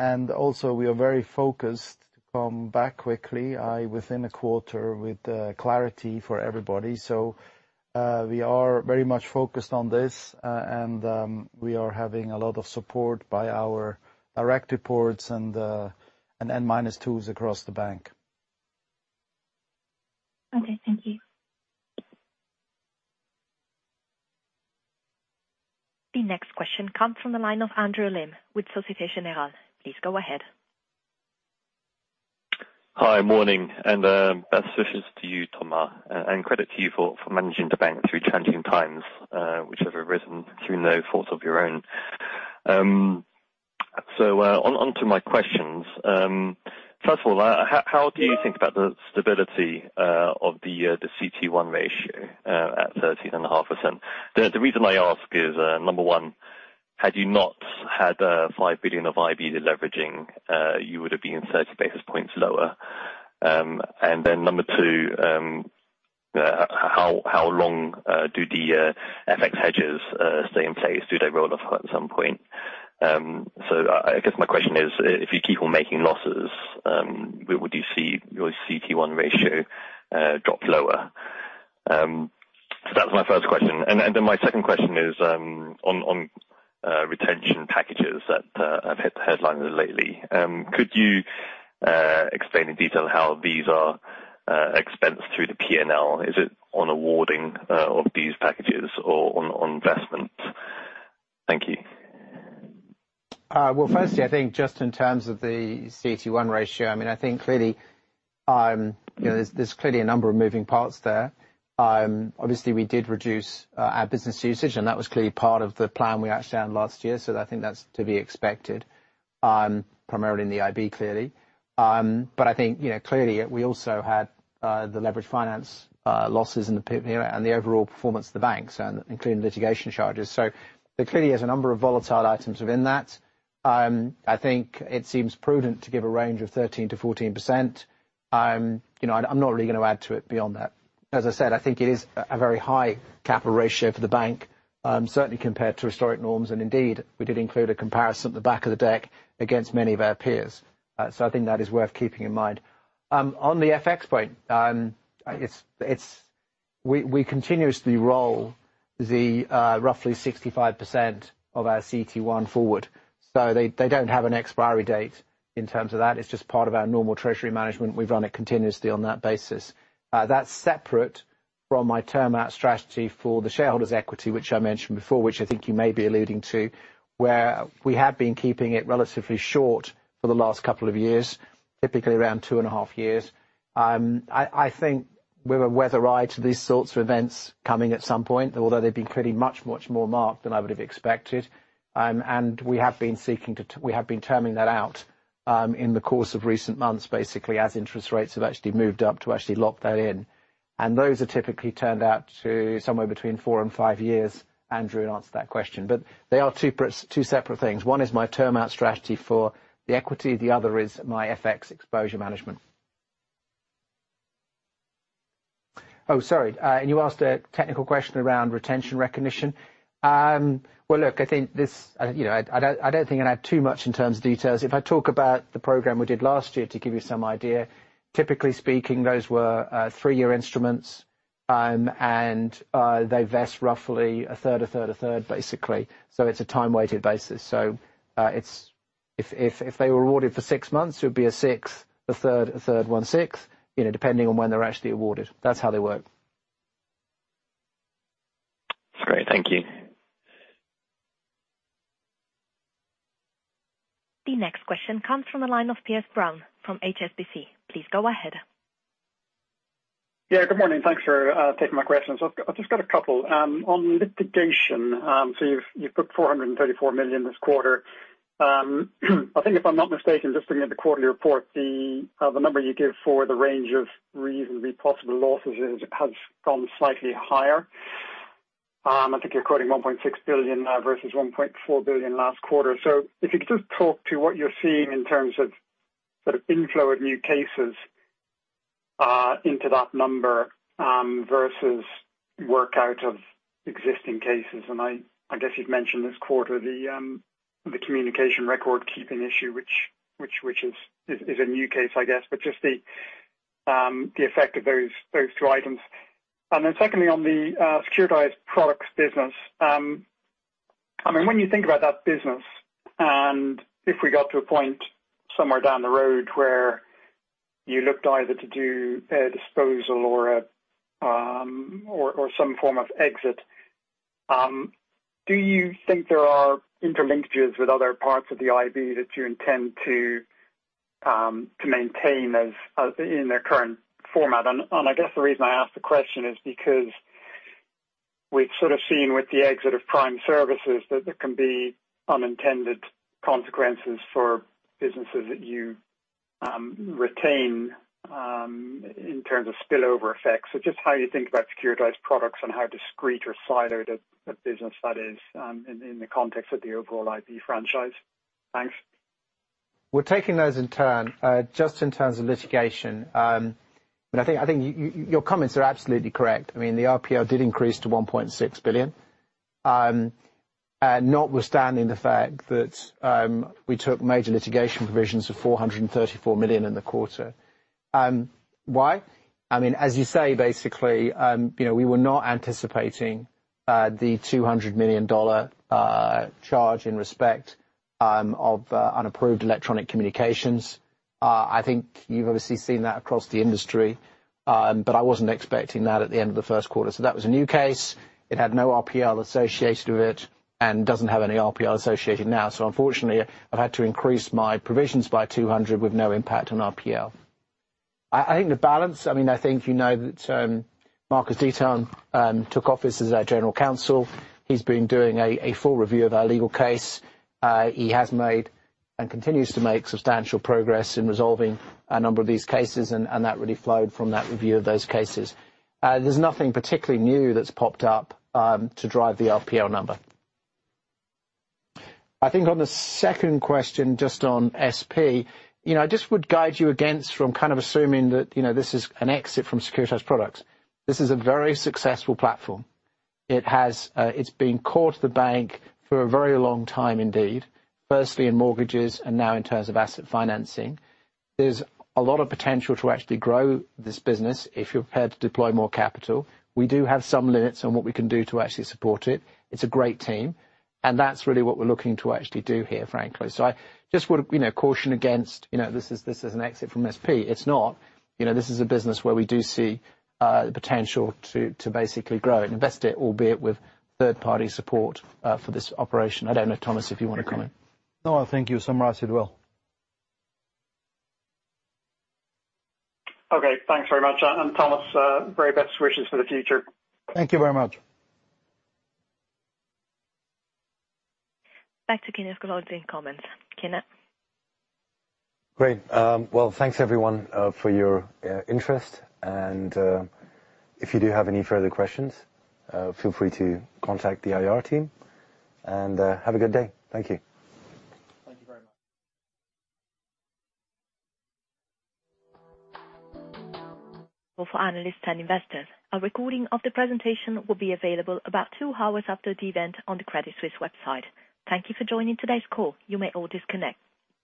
Also we are very focused to come back quickly within a quarter with clarity for everybody. We are very much focused on this, and we are having a lot of support by our direct reports and N minus twos across the bank. Okay. Thank you. The next question comes from the line of Andrew Lim with Société Générale. Please go ahead. Hi. Morning, best wishes to you, Thomas Gottstein. Credit to you for managing the bank through challenging times, which have arisen through no fault of your own. On to my questions. First of all, how do you think about the stability of the CET1 ratio at 13.5%? The reason I ask is, number one, had you not had 5 billion of IB deleveraging, you would have been 30 basis points lower. Then number two, how long do the FX hedges stay in place? Do they roll off at some point? I guess my question is, if you keep on making losses, would you see your CET1 ratio drop lower? That's my first question. My second question is on retention packages that have hit the headlines lately. Could you explain in detail how these are expensed through the P&L? Is it on awarding of these packages or on vesting? Thank you. Well, firstly, I think just in terms of the CET1 ratio, I mean, I think clearly, you know, there's clearly a number of moving parts there. Obviously we did reduce our business usage, and that was clearly part of the plan we announced last year. I think that's to be expected, primarily in the IB, clearly. But I think, you know, clearly we also had the leveraged finance losses in the and the overall performance of the banks and including litigation charges. There clearly is a number of volatile items within that. I think it seems prudent to give a range of 13%-14%. You know, and I'm not really going to add to it beyond that. As I said, I think it is a very high capital ratio for the bank, certainly compared to historic norms. Indeed, we did include a comparison at the back of the deck against many of our peers. I think that is worth keeping in mind. On the FX point, it's we continuously roll the roughly 65% of our CET1 forward, so they don't have an expiry date in terms of that. It's just part of our normal treasury management. We run it continuously on that basis. That's separate from my term out strategy for the shareholders' equity, which I mentioned before, which I think you may be alluding to, where we have been keeping it relatively short for the last couple of years, typically around 2.5 years. I think we were wary of these sorts of events coming at some point, although they've been clearly much more marked than I would have expected. We have been terming that out in the course of recent months, basically as interest rates have actually moved up to actually lock that in. Those are typically term out to somewhere between four and five years, Andrew, to answer that question. They are two separate things. One is my term out strategy for the equity, the other is my FX exposure management. You asked a technical question around revenue recognition. Well, look, I think this, you know, I don't think I'd add too much in terms of details. If I talk about the program we did last year, to give you some idea, typically speaking, those were three-year instruments. They vest roughly a third, basically. It's a time-weighted basis. If they were awarded for six months, it would be a sixth, a third, one-sixth, you know, depending on when they're actually awarded. That's how they work. Great. Thank you. The next question comes from the line of Piers Brown from HSBC. Please go ahead. Yeah, good morning. Thanks for taking my questions. I've just got a couple. On litigation, so you've put 434 million this quarter. I think if I'm not mistaken, just looking at the quarterly report, the number you give for the range of reasonably possible losses has gone slightly higher. I think you're quoting 1.6 billion versus 1.4 billion last quarter. If you could just talk to what you're seeing in terms of sort of inflow of new cases into that number versus work out of existing cases. I guess you'd mention this quarter, the communication record-keeping issue, which is a new case I guess. Just the effect of those two items. Secondly, on the securitized products business, I mean, when you think about that business, and if we got to a point somewhere down the road where you looked either to do a disposal or some form of exit, do you think there are interlinkages with other parts of the IB that you intend to maintain as in their current format? I guess the reason I ask the question is because we've sort of seen with the exit of Prime Services that there can be unintended consequences for businesses that you retain in terms of spillover effects. Just how you think about Securitized Products and how discrete or siloed a business that is in the context of the overall IB franchise. Thanks. We're taking those in turn. Just in terms of litigation, but I think your comments are absolutely correct. I mean, the RPL did increase to 1.6 billion. Notwithstanding the fact that we took major litigation provisions of 434 million in the quarter. Why? I mean, as you say, basically, you know, we were not anticipating the $200 million charge in respect of unapproved electronic communications. I think you've obviously seen that across the industry. I wasn't expecting that at the end of the first quarter. That was a new case. It had no RPL associated with it and doesn't have any RPL associated now. Unfortunately, I've had to increase my provisions by $200 million with no impact on RPL. I think the balance, I mean, I think you know that, Markus Diethelm took office as our General Counsel. He's been doing a full review of our legal case. He has made and continues to make substantial progress in resolving a number of these cases, and that really flowed from that review of those cases. There's nothing particularly new that's popped up to drive the RPL number. I think on the second question, just on SP. You know, I just would guide you against from kind of assuming that, you know, this is an exit from Securitized Products. This is a very successful platform. It has, it's been core to the bank for a very long time indeed, firstly in mortgages and now in terms of asset financing. There's a lot of potential to actually grow this business if you're prepared to deploy more capital. We do have some limits on what we can do to actually support it. It's a great team, and that's really what we're looking to actually do here, frankly. I just would, you know, caution against, you know, this is an exit from SP. It's not. You know, this is a business where we do see the potential to basically grow and invest it, albeit with third-party support for this operation. I don't know, Thomas, if you want to comment. No, I think you summarized it well. Okay, thanks very much. Thomas, very best wishes for the future. Thank you very much. Back to Kinner Lakhani to comment. Kinner? Great. Well, thanks, everyone, for your interest. If you do have any further questions, feel free to contact the IR team. Have a good day. Thank you. For analysts and investors, a recording of the presentation will be available about two hours after the event on the Credit Suisse website. Thank you for joining today's call. You may all disconnect.